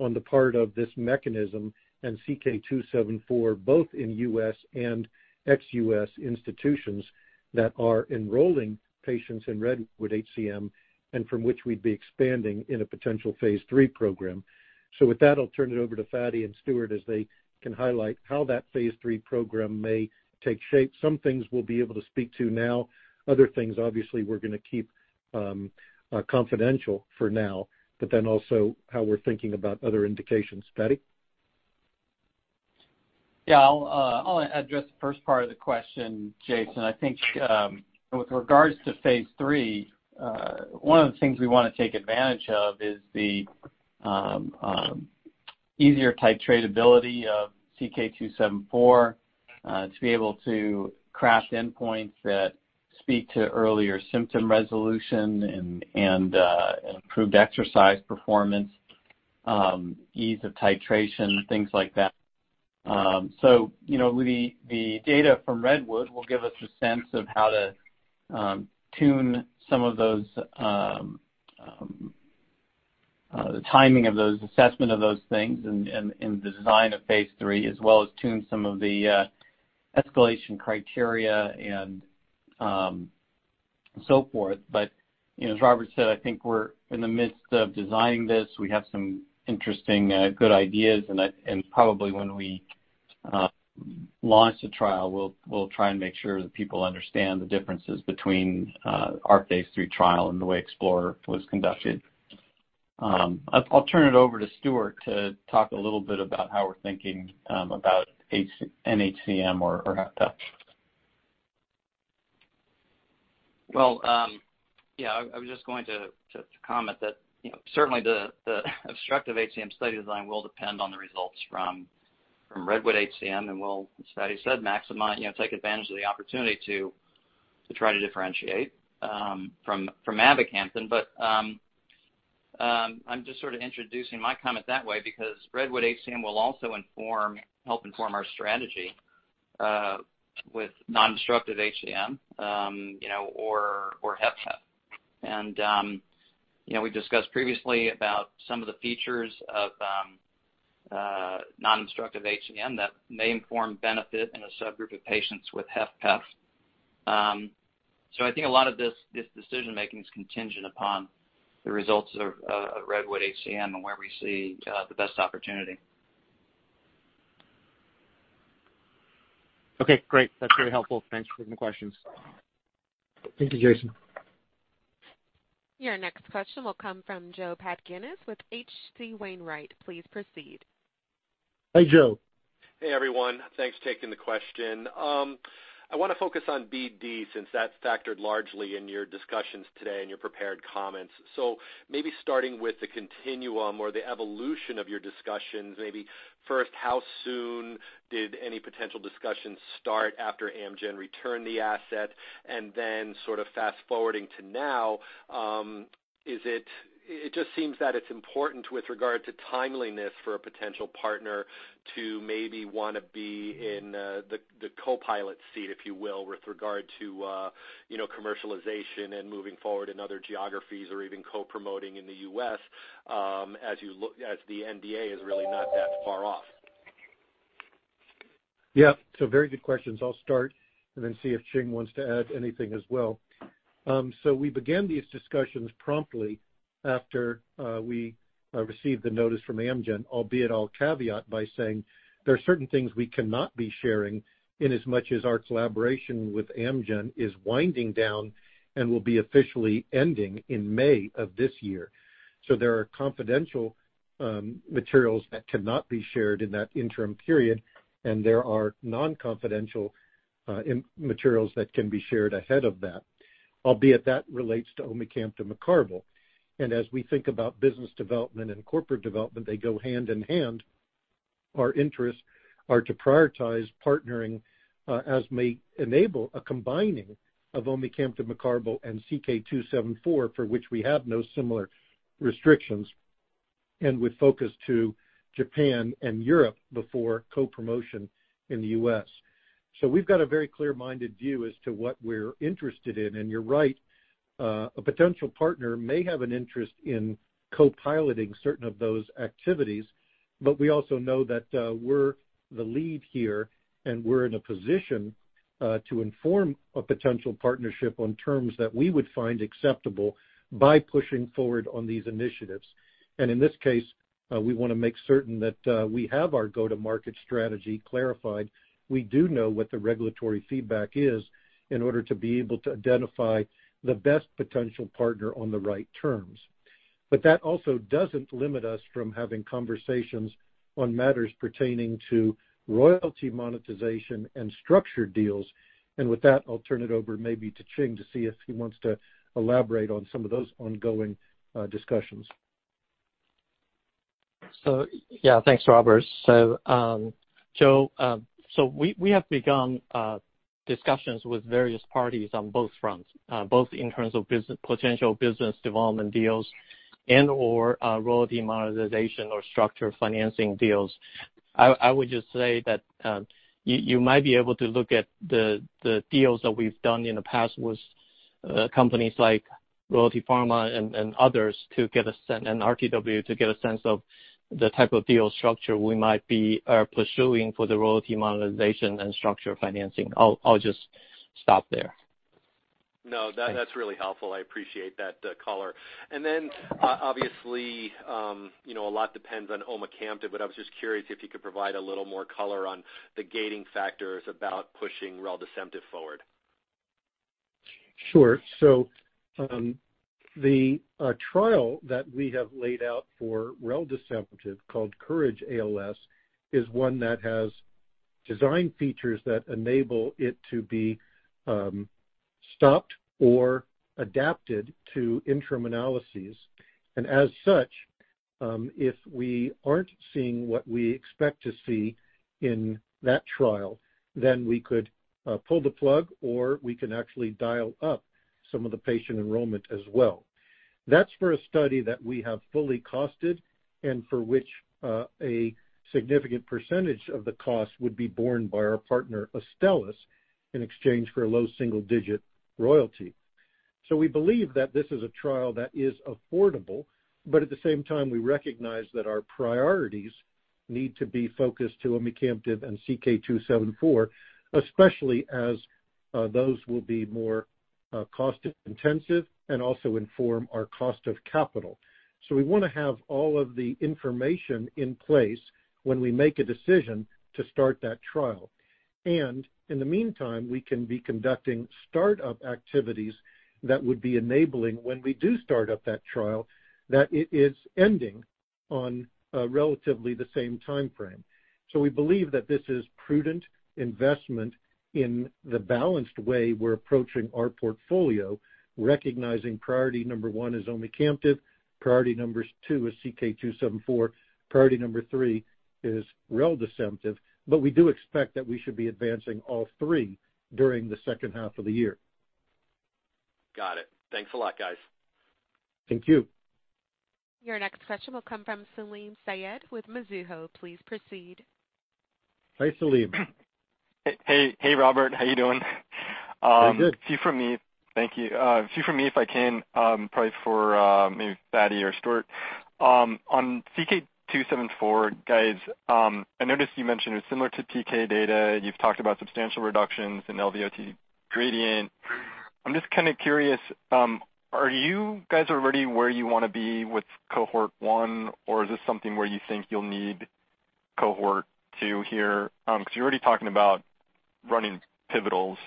on the part of this mechanism and CK-274, both in U.S. and ex-U.S. institutions that are enrolling patients in REDWOOD-HCM and from which we'd be expanding in a potential phase III program. With that, I'll turn it over to Fady and Stuart as they can highlight how that phase III program may take shape. Some things we'll be able to speak to now. Other things, obviously, we're going to keep confidential for now, but then also how we're thinking about other indications. Fady? I'll address the first part of the question, Jason. I think with regards to phase III, one of the things we want to take advantage of is the easier titratability of CK-274 to be able to craft endpoints that speak to earlier symptom resolution and improved exercise performance, ease of titration, things like that. The data from REDWOOD will give us a sense of how to tune some of those, the timing of those assessment of those things and the design of phase III, as well as tune some of the escalation criteria and so forth. As Robert said, I think we're in the midst of designing this. We have some interesting good ideas, and probably when we launch the trial, we'll try and make sure that people understand the differences between our phase III trial and the way EXPLORER-HCM was conducted. I'll turn it over to Stuart to talk a little bit about how we're thinking about nHCM or HFpEF. I was just going to comment that certainly the obstructive HCM study design will depend on the results from REDWOOD-HCM, and we'll, as Fady said, maximize, take advantage of the opportunity to try to differentiate from mavacamten. I'm just sort of introducing my comment that way because REDWOOD-HCM will also help inform our strategy with non-obstructive HCM or HFpEF. We discussed previously about some of the features of non-obstructive HCM that may inform benefit in a subgroup of patients with HFpEF. I think a lot of this decision making is contingent upon the results of REDWOOD-HCM and where we see the best opportunity. Okay, great. That's very helpful. Thanks for the questions. Thank you, Jason. Your next question will come from Joe Pantginis with H.C. Wainwright. Please proceed. Hi, Joe. Hey, everyone. Thanks for taking the question. I want to focus on BD, since that's factored largely in your discussions today and your prepared comments. Maybe starting with the continuum or the evolution of your discussions, maybe first, how soon did any potential discussions start after Amgen returned the asset? Then sort of fast-forwarding to now, it just seems that it's important with regard to timeliness for a potential partner to maybe want to be in the co-pilot seat, if you will, with regard to commercialization and moving forward in other geographies or even co-promoting in the U.S. as the NDA is really not that far off. Yeah. Very good questions. I'll start and then see if Ching wants to add anything as well. We began these discussions promptly after we received the notice from Amgen, albeit I'll caveat by saying there are certain things we cannot be sharing in as much as our collaboration with Amgen is winding down and will be officially ending in May of this year. There are confidential materials that cannot be shared in that interim period, and there are non-confidential materials that can be shared ahead of that, albeit that relates to omecamtiv mecarbil. As we think about business development and corporate development, they go hand in hand. Our interests are to prioritize partnering as may enable a combining of omecamtiv mecarbil and CK-274, for which we have no similar restrictions, and with focus to Japan and Europe before co-promotion in the U.S. We've got a very clear-minded view as to what we're interested in. You're right, a potential partner may have an interest in co-piloting certain of those activities. We also know that we're the lead here, and we're in a position to inform a potential partnership on terms that we would find acceptable by pushing forward on these initiatives. In this case, we want to make certain that we have our go-to-market strategy clarified. We do know what the regulatory feedback is in order to be able to identify the best potential partner on the right terms. That also doesn't limit us from having conversations on matters pertaining to royalty monetization and structured deals. With that, I'll turn it over maybe to Ching to see if he wants to elaborate on some of those ongoing discussions. Yeah, thanks, Robert. Joe, we have begun discussions with various parties on both fronts, both in terms of potential business development deals and/or royalty monetization or structured financing deals. I would just say that you might be able to look at the deals that we've done in the past with companies like Royalty Pharma and others, and RTW to get a sense of the type of deal structure we might be pursuing for the royalty monetization and structured financing. I'll just stop there. That's really helpful. I appreciate that color. Obviously a lot depends on omecamtiv, but I was just curious if you could provide a little more color on the gating factors about pushing reldesemtiv forward. Sure. The trial that we have laid out for reldesemtiv, called COURAGE-ALS, is one that has design features that enable it to be stopped or adapted to interim analyses. As such, if we aren't seeing what we expect to see in that trial, we could pull the plug, or we can actually dial up some of the patient enrollment as well. That's for a study that we have fully costed and for which a significant percentage of the cost would be borne by our partner, Astellas, in exchange for a low single-digit royalty. We believe that this is a trial that is affordable, but at the same time, we recognize that our priorities need to be focused to omecamtiv and CK-274, especially as those will be more cost-intensive and also inform our cost of capital. We want to have all of the information in place when we make a decision to start that trial. In the meantime, we can be conducting start-up activities that would be enabling when we do start up that trial, that it is ending on relatively the same timeframe. We believe that this is prudent investment in the balanced way we're approaching our portfolio, recognizing priority number 1 is omecamtiv. Priority number 2 is CK-274. Priority number 3 is reldesemtiv. We do expect that we should be advancing all three during the second half of the year. Got it. Thanks a lot, guys. Thank you. Your next question will come from Salim Syed with Mizuho. Please proceed. Hi, Salim. Hey, Robert. How you doing? I'm good. Thank you. A few from me, if I can, probably for maybe Fady or Stuart. On CK-274, guys, I noticed you mentioned it was similar to PK data. You've talked about substantial reductions in LVOT gradient. I'm just curious, are you guys already where you want to be with cohort one, or is this something where you think you'll need cohort two here? You're already talking about running pivotals.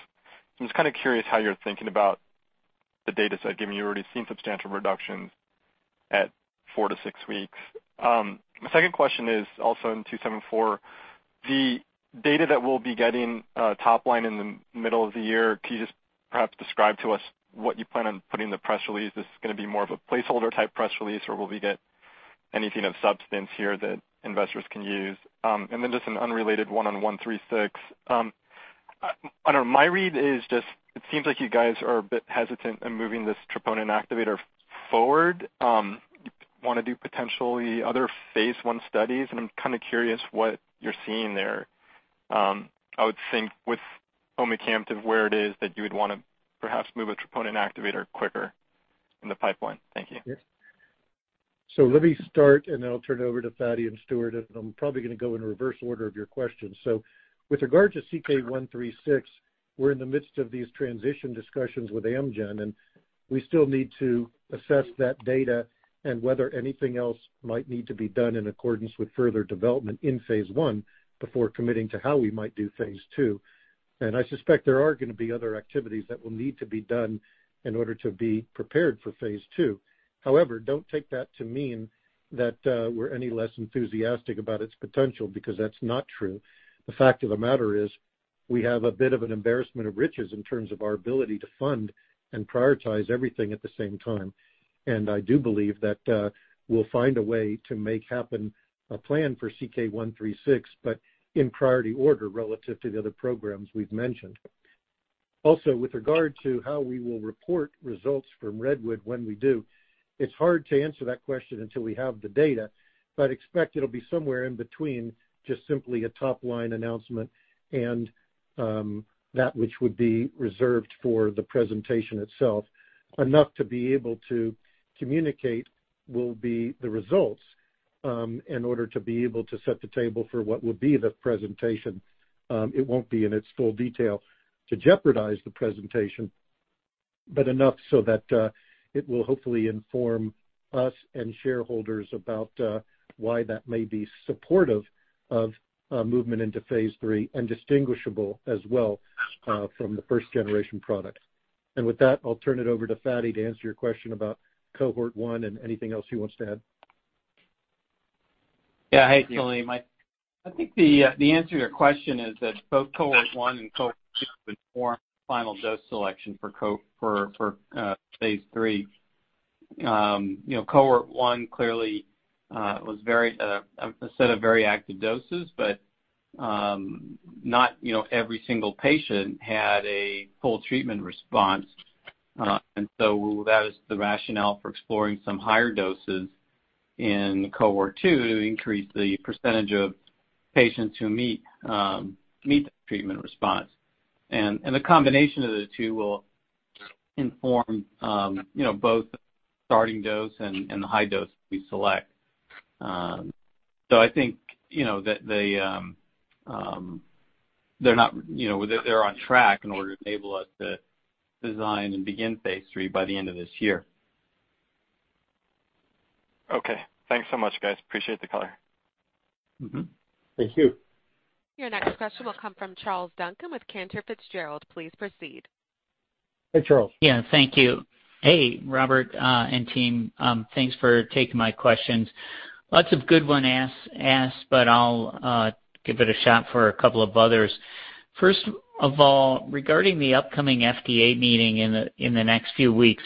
I'm just curious how you're thinking about the data set, given you've already seen substantial reductions at four to six weeks. My second question is also on CK-274. The data that we'll be getting top line in the middle of the year, can you just perhaps describe to us what you plan on putting in the press release? Is this going to be more of a placeholder type press release, or will we get anything of substance here that investors can use? Just an unrelated one on 136. I don't know, my read is just it seems like you guys are a bit hesitant in moving this troponin activator forward. You want to do potentially other phase I studies. I'm kind of curious what you're seeing there. I would think with omecamtiv where it is that you would want to perhaps move a troponin activator quicker in the pipeline. Thank you. Let me start, and then I'll turn it over to Fady and Stuart, and I'm probably going to go in reverse order of your questions. With regard to CK-136, we're in the midst of these transition discussions with Amgen, and we still need to assess that data and whether anything else might need to be done in accordance with further development in phase I before committing to how we might do phase II. I suspect there are going to be other activities that will need to be done in order to be prepared for phase II. Don't take that to mean that we're any less enthusiastic about its potential, because that's not true. The fact of the matter is we have a bit of an embarrassment of riches in terms of our ability to fund and prioritize everything at the same time. I do believe that we'll find a way to make happen a plan for CK-136, but in priority order relative to the other programs we've mentioned. With regard to how we will report results from REDWOOD when we do, it's hard to answer that question until we have the data. Expect it'll be somewhere in between just simply a top-line announcement and that which would be reserved for the presentation itself. Enough to be able to communicate will be the results in order to be able to set the table for what will be the presentation. It won't be in its full detail to jeopardize the presentation, but enough so that it will hopefully inform us and shareholders about why that may be supportive of movement into phase III and distinguishable as well from the first-generation product. With that, I'll turn it over to Fady to answer your question about cohort one and anything else he wants to add. Yeah. Hey, Salim. I think the answer to your question is that both cohort 1 and cohort 2 inform final dose selection for phase III. Cohort 1 clearly was a set of very active doses, not every single patient had a full treatment response. That is the rationale for exploring some higher doses in cohort 2 to increase the percentage of patients who meet the treatment response. The combination of the two will inform both the starting dose and the high dose we select. I think they're on track in order to enable us to design and begin phase III by the end of this year. Okay. Thanks so much, guys. Appreciate the color. Thank you. Your next question will come from Charles Duncan with Cantor Fitzgerald. Please proceed. Hey, Charles. Yeah. Thank you. Hey, Robert and team. Thanks for taking my questions. Lots of good one asks. I'll give it a shot for a couple of others. First of all, regarding the upcoming FDA meeting in the next few weeks,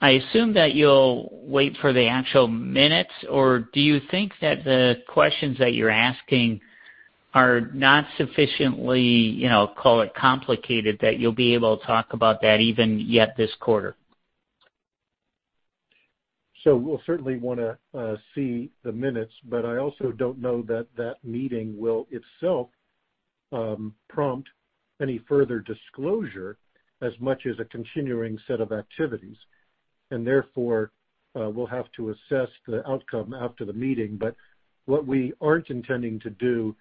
I assume that you'll wait for the actual minutes, or do you think that the questions that you're asking are not sufficiently, call it complicated, that you'll be able to talk about that even yet this quarter? We'll certainly want to see the minutes, but I also don't know that that meeting will itself prompt any further disclosure as much as a continuing set of activities. Therefore, we'll have to assess the outcome after the meeting. What we aren't intending to do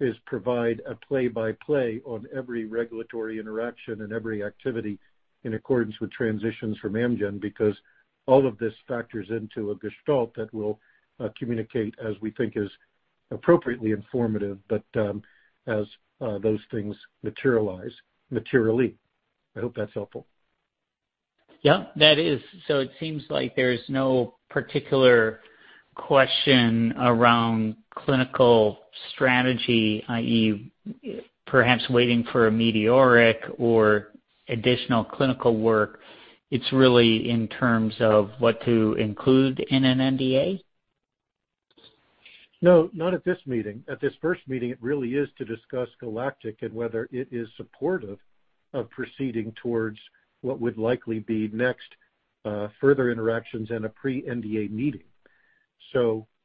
is provide a play-by-play on every regulatory interaction and every activity in accordance with transitions from Amgen, because all of this factors into a gestalt that we'll communicate as we think is appropriately informative, but as those things materialize materially. I hope that's helpful. Yeah, that is. It seems like there's no particular question around clinical strategy, i.e., perhaps waiting for a METEORIC or additional clinical work. It's really in terms of what to include in an NDA? No, not at this meeting. At this first meeting, it really is to discuss GALACTIC and whether it is supportive of proceeding towards what would likely be next, further interactions and a pre-NDA meeting.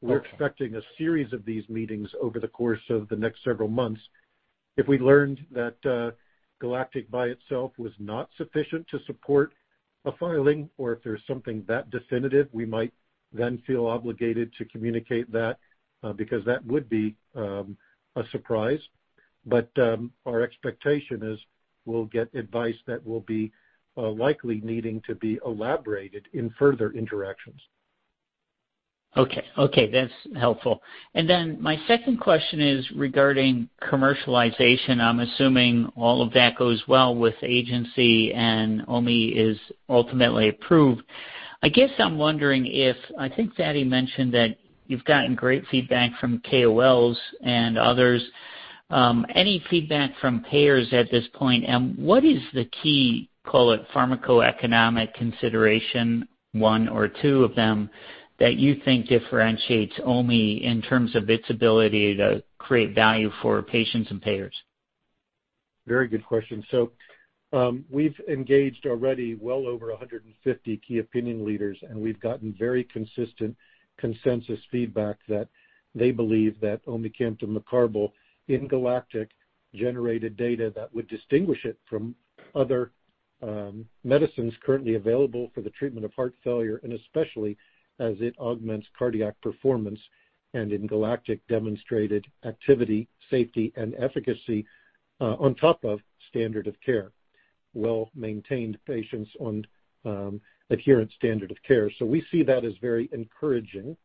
We're expecting a series of these meetings over the course of the next several months. If we learned that GALACTIC by itself was not sufficient to support a filing, or if there's something that definitive, we might then feel obligated to communicate that, because that would be a surprise. Our expectation is we'll get advice that will be likely needing to be elaborated in further interactions. Okay. That's helpful. My second question is regarding commercialization. I'm assuming all of that goes well with agency and OMI is ultimately approved. I guess I'm wondering if, I think Fady mentioned that you've gotten great feedback from KOLs and others. Any feedback from payers at this point, and what is the key, call it pharmacoeconomic consideration, one or two of them, that you think differentiates OMI in terms of its ability to create value for patients and payers? Very good question. We've engaged already well over 150 key opinion leaders, and we've gotten very consistent consensus feedback that they believe that omecamtiv mecarbil in GALACTIC generated data that would distinguish it from other medicines currently available for the treatment of heart failure, and especially as it augments cardiac performance, and in GALACTIC demonstrated activity, safety, and efficacy, on top of standard of care, well-maintained patients on adherent standard of care. We see that as very encouraging.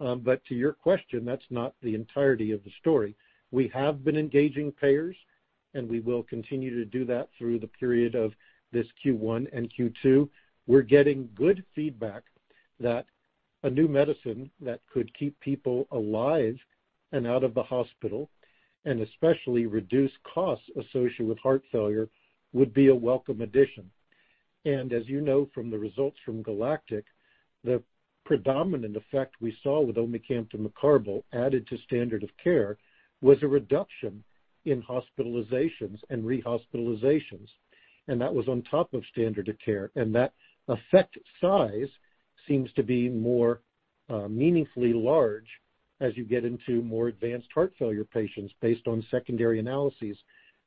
To your question, that's not the entirety of the story. We have been engaging payers, and we will continue to do that through the period of this Q1 and Q2. We're getting good feedback that a new medicine that could keep people alive and out of the hospital, and especially reduce costs associated with heart failure, would be a welcome addition. As you know from the results from GALACTIC, the predominant effect we saw with omecamtiv mecarbil added to standard of care was a reduction in hospitalizations and rehospitalizations. That was on top of standard of care. That effect size seems to be more meaningfully large as you get into more advanced heart failure patients based on secondary analyses.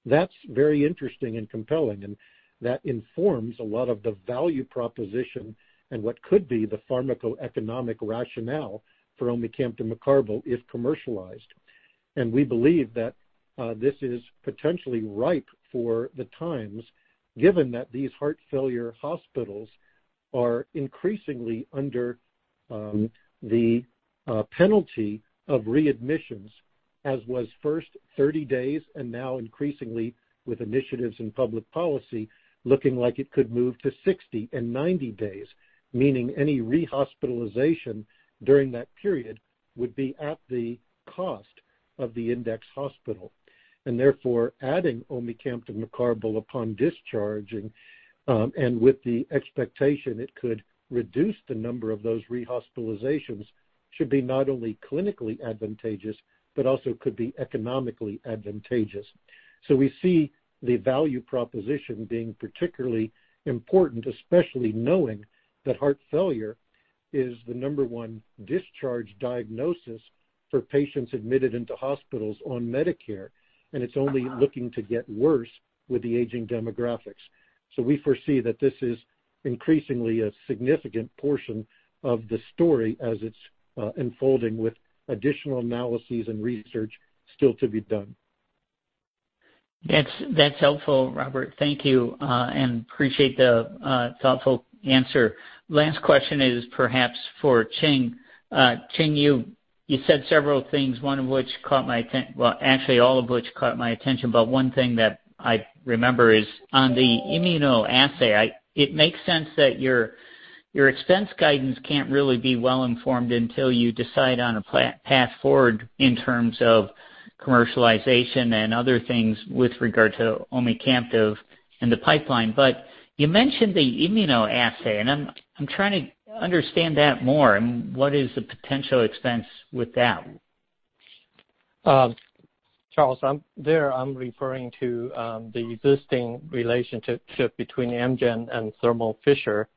That's very interesting and compelling, and that informs a lot of the value proposition and what could be the pharmacoeconomic rationale for omecamtiv mecarbil if commercialized. We believe that this is potentially ripe for the times, given that these heart failure hospitals are increasingly under the penalty of readmissions, as was first 30 days, and now increasingly with initiatives in public policy looking like it could move to 60 and 90 days, meaning any rehospitalization during that period would be at the cost of the index hospital. Therefore, adding omecamtiv mecarbil upon discharge and with the expectation it could reduce the number of those rehospitalizations should be not only clinically advantageous, but also could be economically advantageous. We see the value proposition being particularly important, especially knowing that heart failure is the number one discharge diagnosis for patients admitted into hospitals on Medicare, and it's only looking to get worse with the aging demographics. We foresee that this is increasingly a significant portion of the story as it's unfolding with additional analyses and research still to be done. That's helpful, Robert. Thank you, and appreciate the thoughtful answer. Last question is perhaps for Ching. Ching, you said several things, actually, all of which caught my attention, but one thing that I remember is on the immunoassay. It makes sense that your expense guidance can't really be well-informed until you decide on a path forward in terms of commercialization and other things with regard to omecamtiv and the pipeline. You mentioned the immunoassay, and I'm trying to understand that more and what is the potential expense with that? Charles, there I'm referring to the existing relationship between Amgen and Thermo Fisher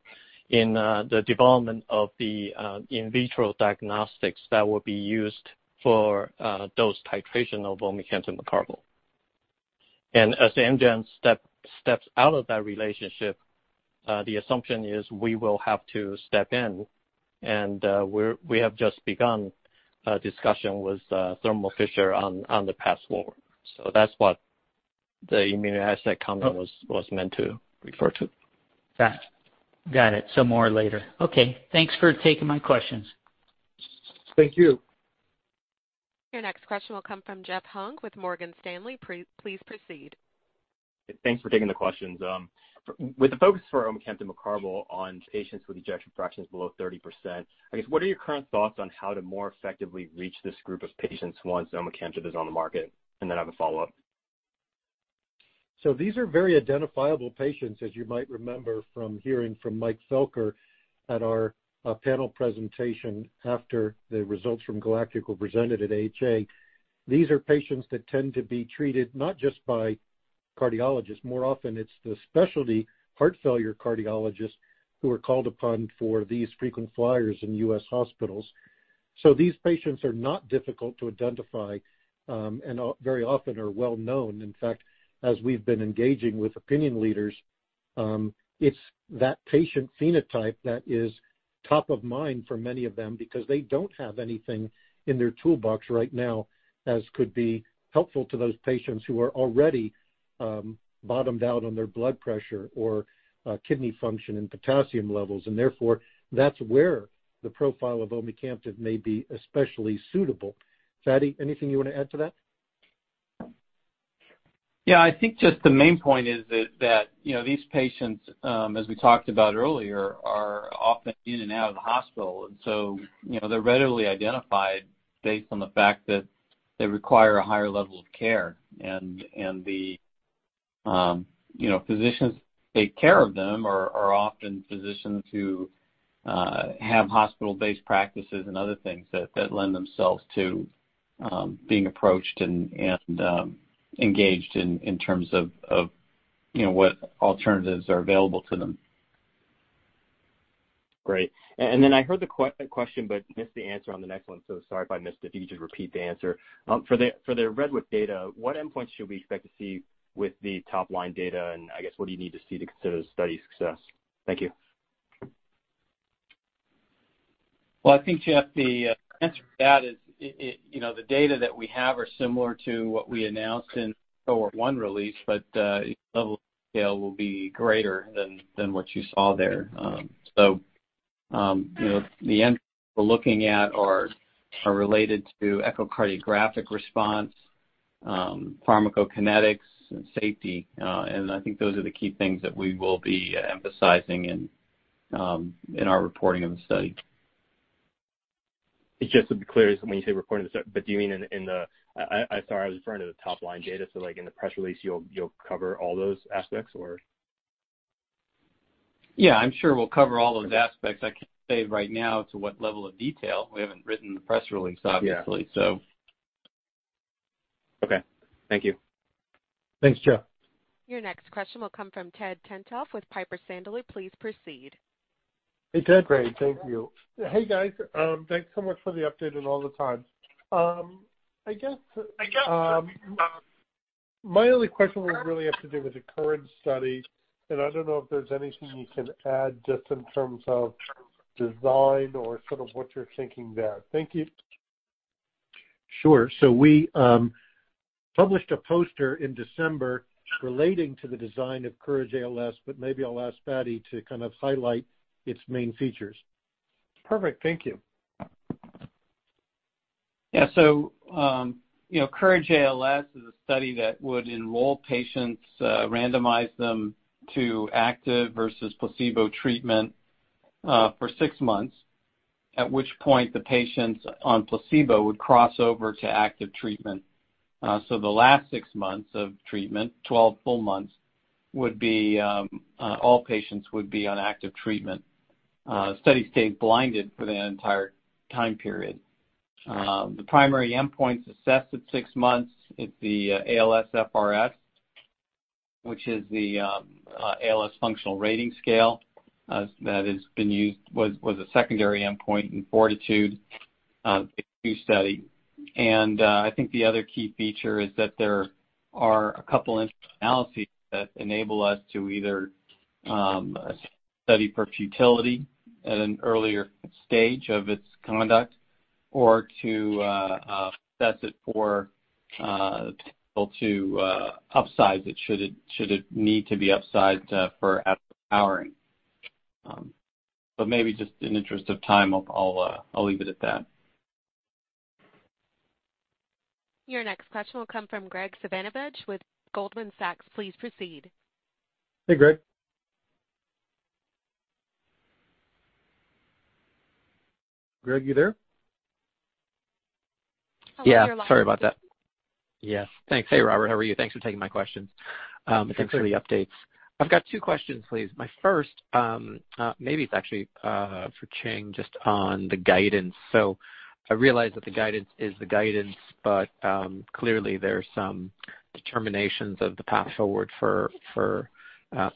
in the development of the in vitro diagnostics that will be used for dose titration of omecamtiv mecarbil. As Amgen steps out of that relationship, the assumption is we will have to step in and we have just begun a discussion with Thermo Fisher on the path forward. That's what the immunoassay comment was meant to refer to. Got it. More later. Okay. Thanks for taking my questions. Thank you. Your next question will come from Jeff Hung with Morgan Stanley. Please proceed. Thanks for taking the questions. With the focus for omecamtiv mecarbil on patients with ejection fractions below 30%, I guess, what are your current thoughts on how to more effectively reach this group of patients once omecamtiv is on the market? I have a follow-up. These are very identifiable patients, as you might remember from hearing from Mike Felker at our panel presentation after the results from GALACTIC-HF were presented at AHA. These are patients that tend to be treated not just by cardiologists. More often, it's the specialty heart failure cardiologists who are called upon for these frequent flyers in U.S. hospitals. These patients are not difficult to identify and very often are well-known. In fact, as we've been engaging with opinion leaders, it's that patient phenotype that is top of mind for many of them because they don't have anything in their toolbox right now as could be helpful to those patients who are already bottomed out on their blood pressure or kidney function and potassium levels. Therefore, that's where the profile of omecamtiv may be especially suitable. Fady, anything you want to add to that? Yeah, I think just the main point is that these patients, as we talked about earlier, are often in and out of the hospital. They're readily identified based on the fact that they require a higher level of care. The physicians take care of them are often physicians who have hospital-based practices and other things that lend themselves to being approached and engaged in terms of what alternatives are available to them. Great. I heard the question but missed the answer on the next one, so sorry if I missed it. If you could just repeat the answer. For the REDWOOD data, what endpoints should we expect to see with the top-line data, and I guess what do you need to see to consider the study's success? Thank you. Well, I think, Jeff, the answer to that is the data that we have are similar to what we announced in Q1 release, but the level of scale will be greater than what you saw there. The endpoints we're looking at are related to echocardiographic response, pharmacokinetics, and safety. I think those are the key things that we will be emphasizing in our reporting of the study. Just to be clear, when you say reporting of the study, sorry, I was referring to the top-line data, so like in the press release, you'll cover all those aspects or? Yeah, I'm sure we'll cover all those aspects. I can't say right now to what level of detail. We haven't written the press release, obviously. Okay. Thank you. Thanks, Jeff. Your next question will come from Ted Tenthoff with Piper Sandler. Please proceed. Hey, Ted. Great, thank you. Hey, guys. Thanks so much for the update and all the time. I guess my only question would really have to do with the current study, and I don't know if there's anything you can add just in terms of design or sort of what you're thinking there. Thank you. Sure. We published a poster in December relating to the design of COURAGE-ALS, but maybe I'll ask Fady to kind of highlight its main features. Perfect. Thank you. Yeah. COURAGE-ALS is a study that would enroll patients, randomize them to active versus placebo treatment for six months, at which point the patients on placebo would cross over to active treatment. The last six months of treatment, 12 full months, all patients would be on active treatment. Study stayed blinded for the entire time period. The primary endpoint's assessed at six months. It's the ALSFRS, which is the ALS functional rating scale that was a secondary endpoint in FORTITUDE-ALS study. I think the other key feature is that there are a couple interim analyses that enable us to either study for futility at an earlier stage of its conduct or to assess it for people to upsize it should it need to be upsized for adequate powering. Maybe just in the interest of time, I'll leave it at that. Your next question will come from Graig Suvannavejh with Goldman Sachs. Please proceed. Hey, Graig. Graig, you there? Yeah, sorry about that. Yes, thanks. Hey, Robert. How are you? Thanks for taking my questions. Thanks, Graig. Thanks for the updates. I've got two questions, please. My first, maybe it's actually for Ching, just on the guidance. I realize that the guidance is the guidance, but clearly there's some determinations of the path forward for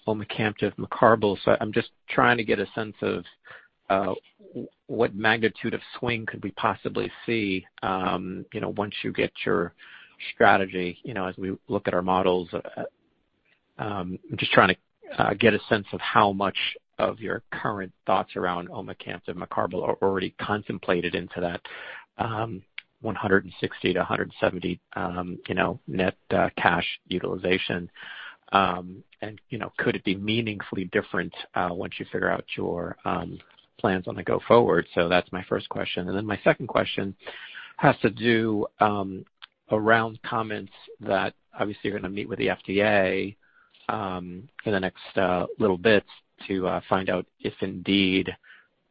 omecamtiv mecarbil. I'm just trying to get a sense of what magnitude of swing could we possibly see once you get your strategy, as we look at our models. I'm just trying to get a sense of how much of your current thoughts around omecamtiv mecarbil are already contemplated into that $160-$170 net cash utilization. Could it be meaningfully different once you figure out your plans on the go forward? That's my first question. My second question has to do around comments that obviously you're going to meet with the FDA in the next little bit to find out if indeed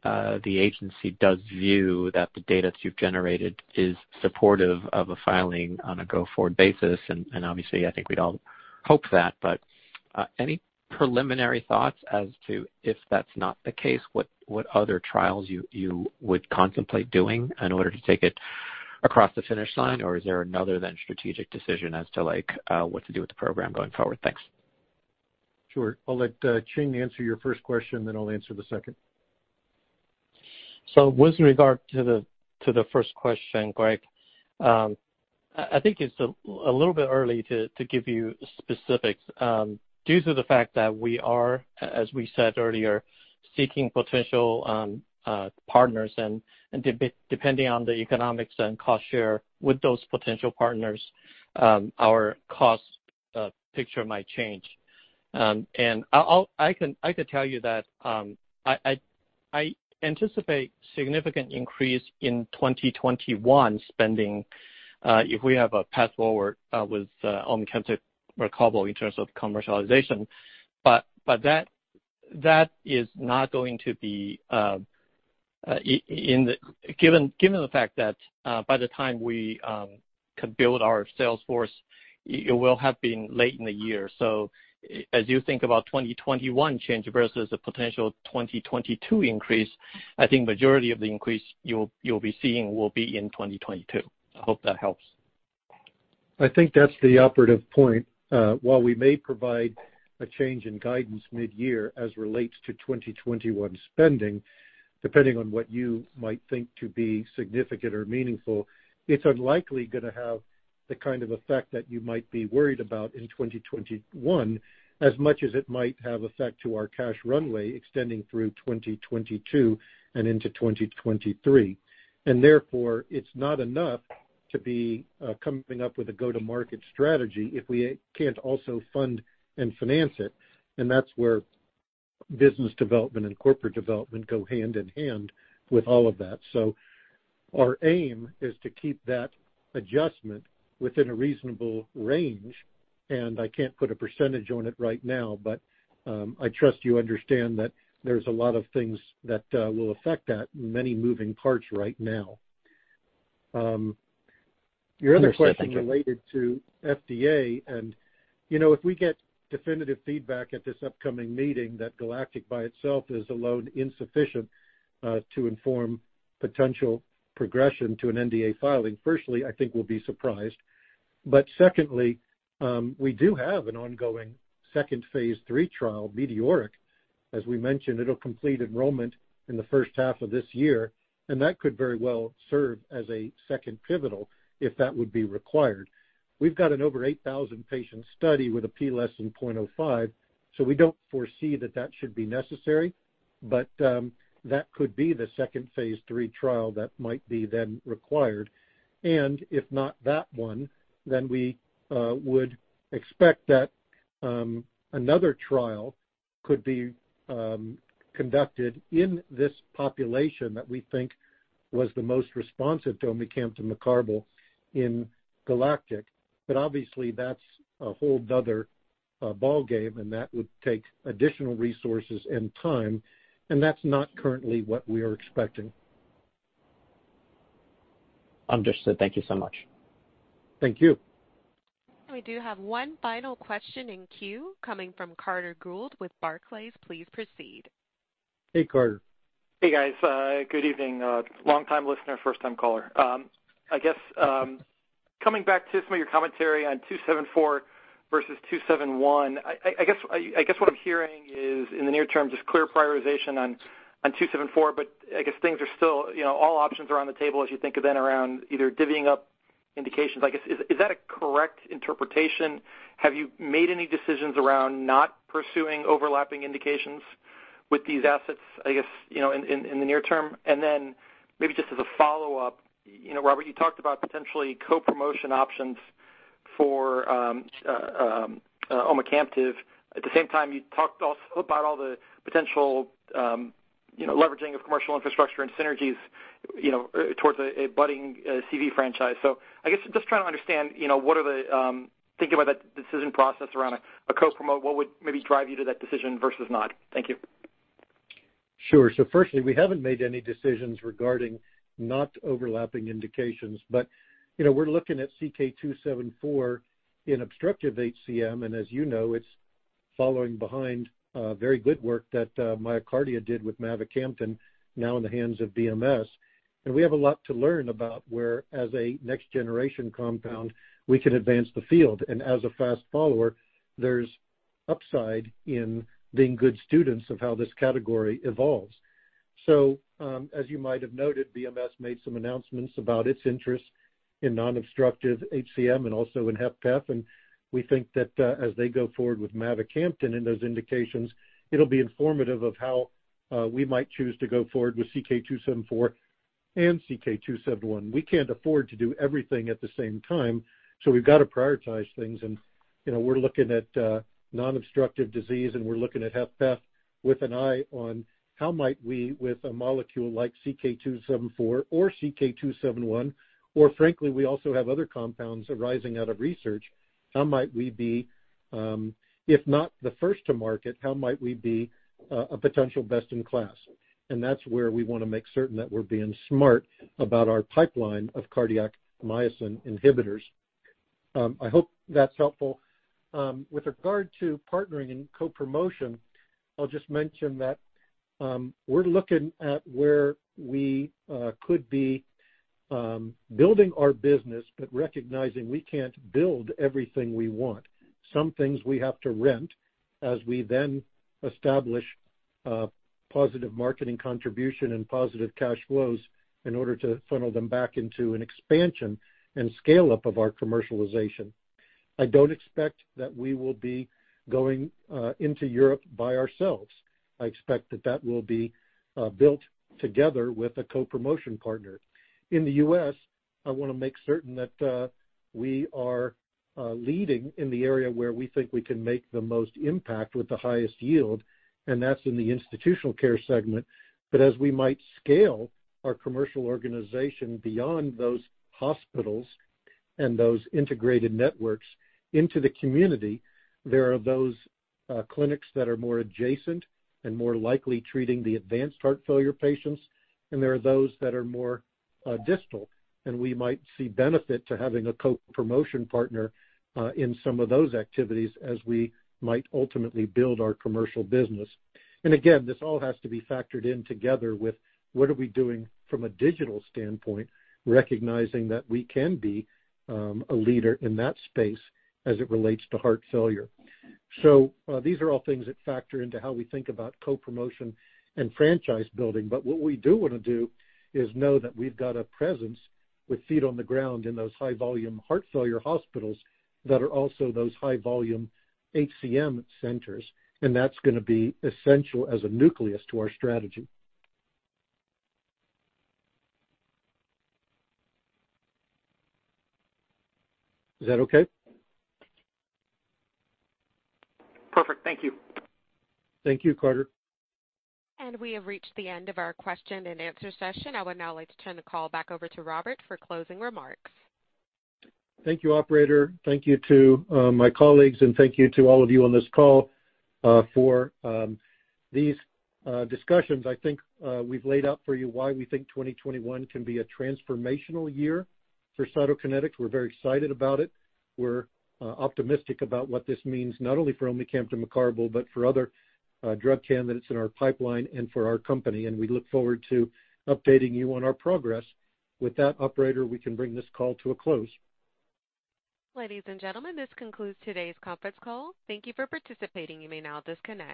the agency does view that the data that you've generated is supportive of a filing on a go-forward basis. Obviously, I think we'd all hope that, but any preliminary thoughts as to if that's not the case, what other trials you would contemplate doing in order to take it across the finish line? Is there another then strategic decision as to what to do with the program going forward? Thanks. Sure. I'll let Ching answer your first question, then I'll answer the second. With regard to the first question, Graig, I think it's a little bit early to give you specifics due to the fact that we are, as we said earlier, seeking potential partners and depending on the economics and cost share with those potential partners, our cost picture might change. I could tell you that I anticipate significant increase in 2021 spending if we have a path forward with omecamtiv mecarbil in terms of commercialization. Given the fact that by the time we could build our sales force, it will have been late in the year. As you think about 2021 change versus a potential 2022 increase, I think majority of the increase you'll be seeing will be in 2022. I hope that helps. I think that's the operative point. While we may provide a change in guidance mid-year as relates to 2021 spending, depending on what you might think to be significant or meaningful, it's unlikely going to have the kind of effect that you might be worried about in 2021 as much as it might have effect to our cash runway extending through 2022 and into 2023. Therefore, it's not enough to be coming up with a go-to-market strategy if we can't also fund and finance it, and that's where business development and corporate development go hand in hand with all of that. Our aim is to keep that adjustment within a reasonable range, and I can't put a percentage on it right now, but I trust you understand that there's a lot of things that will affect that. Many moving parts right now. If we get definitive feedback at this upcoming meeting that GALACTIC-HF by itself is alone insufficient to inform potential progression to an NDA filing, firstly, I think we'll be surprised. Secondly, we do have an ongoing second phase III trial, METEORIC-HF. As we mentioned, it'll complete enrollment in the first half of this year, and that could very well serve as a second pivotal if that would be required. We've got an over 8,000 patient study with a P less than 0.05. We don't foresee that that should be necessary, but that could be the second phase III trial that might be then required. If not that one, we would expect that another trial could be conducted in this population that we think was the most responsive to omecamtiv mecarbil in GALACTIC-HF. Obviously, that's a whole other ballgame, and that would take additional resources and time, and that's not currently what we are expecting. Understood. Thank you so much. Thank you. We do have one final question in queue coming from Carter Gould with Barclays. Please proceed. Hey, Carter. Hey, guys. Good evening. Long time listener, first time caller. Coming back to some of your commentary on CK-274 versus CK-271, what I'm hearing is in the near term, just clear prioritization on CK-274, things are still all options are on the table as you think then around either divvying up indications. Is that a correct interpretation? Have you made any decisions around not pursuing overlapping indications with these assets in the near term? Maybe just as a follow-up, Robert, you talked about potentially co-promotion options for omecamtiv. At the same time, you talked also about all the potential leveraging of commercial infrastructure and synergies towards a budding CV franchise. Just trying to understand thinking about that decision process around a co-promote, what would maybe drive you to that decision versus not. Thank you. Sure. Firstly, we haven't made any decisions regarding not overlapping indications, but we're looking at CK-274 in obstructive HCM, and as you know, it's following behind very good work that MyoKardia did with mavacamten now in the hands of BMS. We have a lot to learn about where as a next generation compound, we can advance the field. As a fast follower, there's upside in being good students of how this category evolves. As you might have noted, BMS made some announcements about its interest in non-obstructive HCM and also in HFpEF, and we think that as they go forward with mavacamten in those indications, it'll be informative of how we might choose to go forward with CK-274 and CK-271. We can't afford to do everything at the same time, so we've got to prioritize things. We're looking at non-obstructive disease, and we're looking at HFpEF with an eye on how might we, with a molecule like CK-274 or CK-271 or frankly, we also have other compounds arising out of research, how might we be if not the first to market, how might we be a potential best in class? That's where we want to make certain that we're being smart about our pipeline of cardiac myosin inhibitors. I hope that's helpful. With regard to partnering and co-promotion, I'll just mention that we're looking at where we could be building our business, but recognizing we can't build everything we want. Some things we have to rent as we then establish a positive marketing contribution and positive cash flows in order to funnel them back into an expansion and scale-up of our commercialization. I don't expect that we will be going into Europe by ourselves. I expect that that will be built together with a co-promotion partner. In the U.S., I want to make certain that we are leading in the area where we think we can make the most impact with the highest yield. That's in the institutional care segment. As we might scale our commercial organization beyond those hospitals and those integrated networks into the community, there are those clinics that are more adjacent and more likely treating the advanced heart failure patients. There are those that are more distal, we might see benefit to having a co-promotion partner in some of those activities as we might ultimately build our commercial business. Again, this all has to be factored in together with what are we doing from a digital standpoint, recognizing that we can be a leader in that space as it relates to heart failure. These are all things that factor into how we think about co-promotion and franchise building. What we do want to do is know that we've got a presence with feet on the ground in those high-volume heart failure hospitals that are also those high-volume HCM centers, and that's going to be essential as a nucleus to our strategy. Is that okay? Perfect. Thank you. Thank you, Carter. We have reached the end of our question and answer session. I would now like to turn the call back over to Robert for closing remarks. Thank you, operator. Thank you to my colleagues, and thank you to all of you on this call for these discussions. I think we've laid out for you why we think 2021 can be a transformational year for Cytokinetics. We're very excited about it. We're optimistic about what this means, not only for omecamtiv mecarbil, but for other drug candidates in our pipeline and for our company, and we look forward to updating you on our progress. With that operator, we can bring this call to a close. Ladies and gentlemen, this concludes today's conference call. Thank you for participating. You may now disconnect.